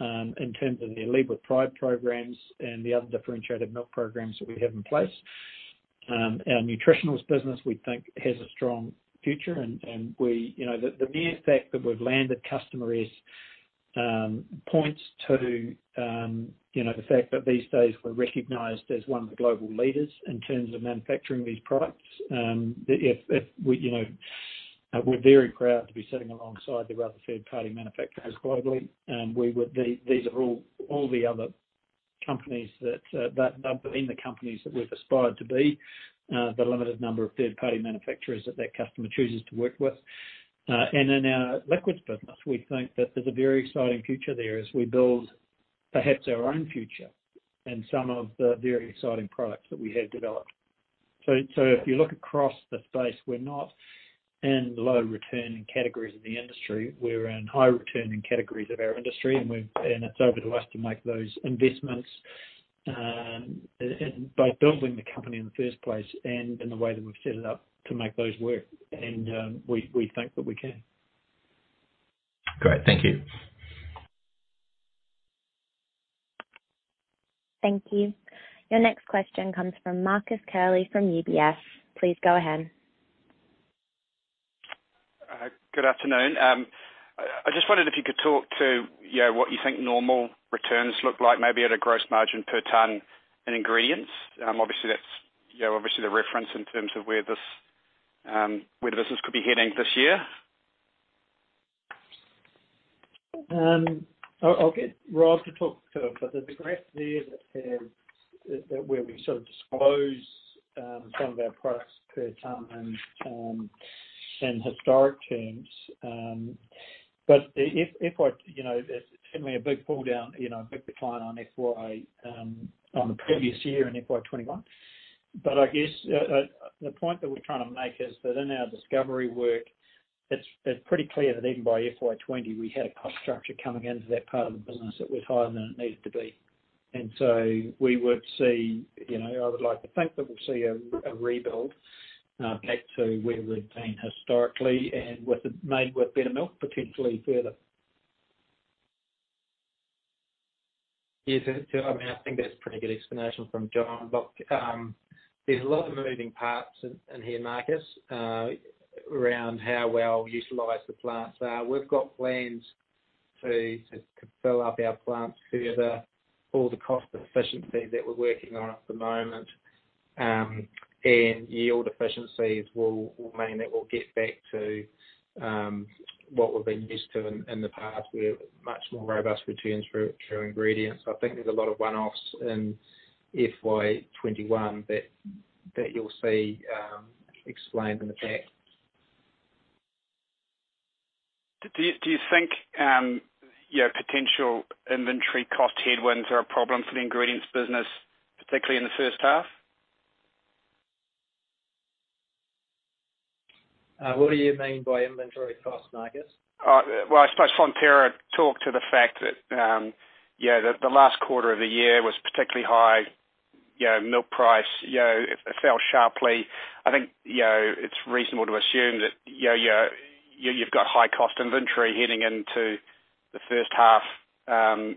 in terms of their Lead With Pride programs and the other differentiated milk programs that we have in place. Our Nutritionals business, we think, has a strong future. The mere fact that we've landed customer is points to the fact that these days we're recognized as one of the global leaders in terms of manufacturing these products. We're very proud to be sitting alongside the other third-party manufacturers globally. These are all the other companies that we've aspired to be, the limited number of third-party manufacturers that that customer chooses to work with. In our Liquids business, we think that there's a very exciting future there as we build perhaps our own future and some of the very exciting products that we have developed. If you look across the space, we're not in low-returning categories of the industry. We're in high-returning categories of our industry. It's over to us to make those investments, by building the company in the first place and in the way that we've set it up to make those work. We think that we can. Great. Thank you. Thank you. Your next question comes from Marcus Curley from UBS. Please go ahead. Good afternoon. I just wondered if you could talk to what you think normal returns look like, maybe at a gross margin per ton in Ingredients. Obviously that's the reference in terms of where the business could be heading this year. I'll get Rob to talk to it. There's a graph there that where we sort of disclose some of our products per ton in historic terms. FY, there's certainly a big pull-down, a big decline on FY on the previous year in FY 2021. I guess, the point that we're trying to make is that in our discovery work, it's pretty clear that even by FY 2020, we had a cost structure coming into that part of the business that was higher than it needed to be. I would like to think that we'll see a rebuild, back to where we've been historically and Made with Better Milk, potentially further. Yes, I think that's a pretty good explanation from John. There's a lot of moving parts in here, Marcus, around how well utilized the plants are. We've got plans to fill up our plants further. All the cost efficiency that we're working on at the moment, and yield efficiencies will mean that we'll get back to what we've been used to in the past, where much more robust returns through ingredients. I think there's a lot of one-offs in FY 2021 that you'll see explained in the deck. Do you think potential inventory cost headwinds are a problem for the ingredients business, particularly in the first half? What do you mean by inventory cost, Marcus? Well, I suppose Fonterra talked to the fact that the last quarter of the year was particularly high. Milk price fell sharply. I think, it's reasonable to assume that you've got high cost inventory heading into the first half. Is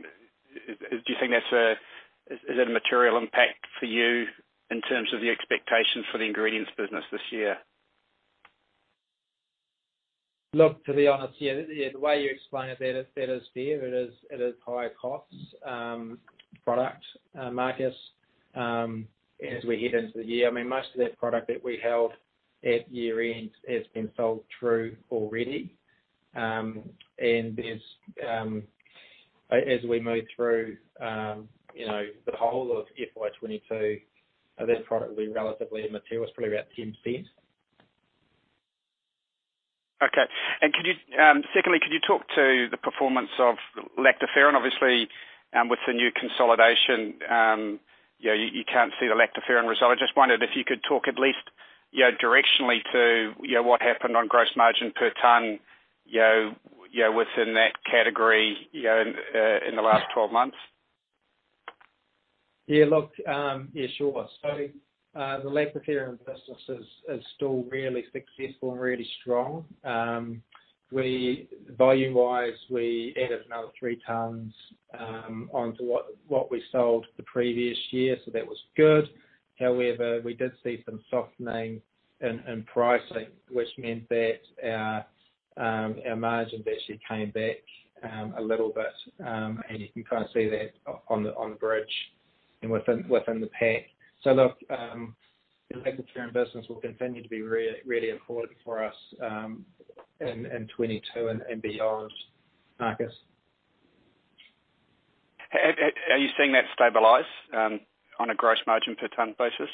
it a material impact for you in terms of the expectations for the ingredients business this year? Look, to be honest, yeah, the way you explain it, that is there. It is high costs, product, Marcus, as we head into the year. Most of that product that we held at year-end has been sold through already. As we move through the whole of FY 2022, that product will be relatively immaterial, it's probably about 10%. Okay. Secondly, could you talk to the performance of lactoferrin, obviously, with the new consolidation, you can't see the lactoferrin result. I just wondered if you could talk at least directionally to what happened on gross margin per ton within that category in the last 12 months. Yeah. Sure. The lactoferrin business is still really successful and really strong. Volume-wise, we added another three tons onto what we sold the previous year. That was good. However, we did see some softening in pricing, which meant that our margins actually came back a little bit, and you can kind of see that on the bridge and within the pack. Look, the lactoferrin business will continue to be really important for us in 2022 and beyond, Marcus. Are you seeing that stabilize, on a gross margin per ton basis?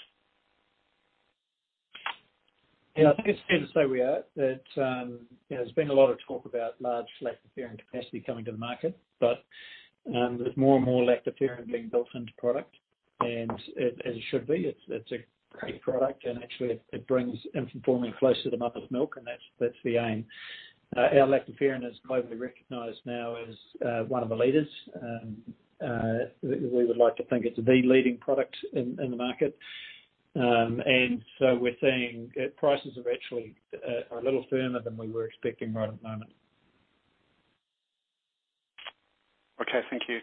Yeah, I think it's fair to say we are. There's been a lot of talk about large lactoferrin capacity coming to the market, but, there's more and more lactoferrin being built into product and as it should be. It's a great product and actually it brings infant formula closer to mother's milk, and that's the aim. Our lactoferrin is globally recognized now as one of the leaders. We would like to think it's the leading product in the market. We're seeing prices are actually a little firmer than we were expecting right at the moment. Okay. Thank you.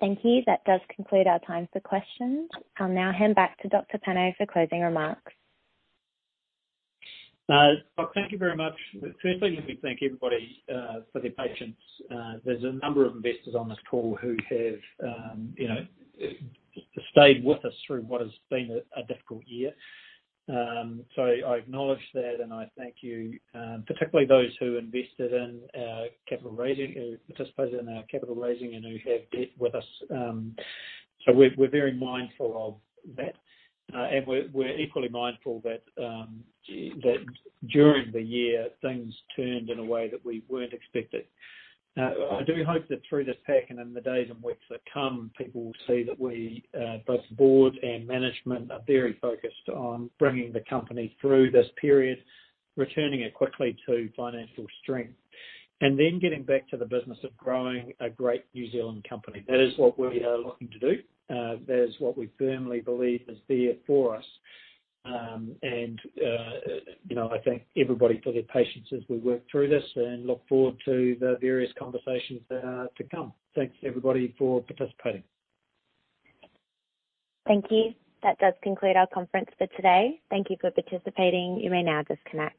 Thank you. That does conclude our time for questions. I'll now hand back to Dr. Penno for closing remarks. Well, thank you very much. Firstly, let me thank everybody for their patience. There's a number of investors on this call who have stayed with us through what has been a difficult year. I acknowledge that, and I thank you, particularly those who invested in our capital raising, who participated in our capital raising and who have been with us. We're very mindful of that. We're equally mindful that during the year, things turned in a way that we weren't expecting. Now, I do hope that through this pack and in the days and weeks that come, people will see that we, both board and management, are very focused on bringing the company through this period, returning it quickly to financial strength. Getting back to the business of growing a great New Zealand company. That is what we are looking to do. That is what we firmly believe is there for us. I thank everybody for their patience as we work through this and look forward to the various conversations that are to come. Thanks everybody for participating. Thank you. That does conclude our conference for today. Thank you for participating. You may now disconnect.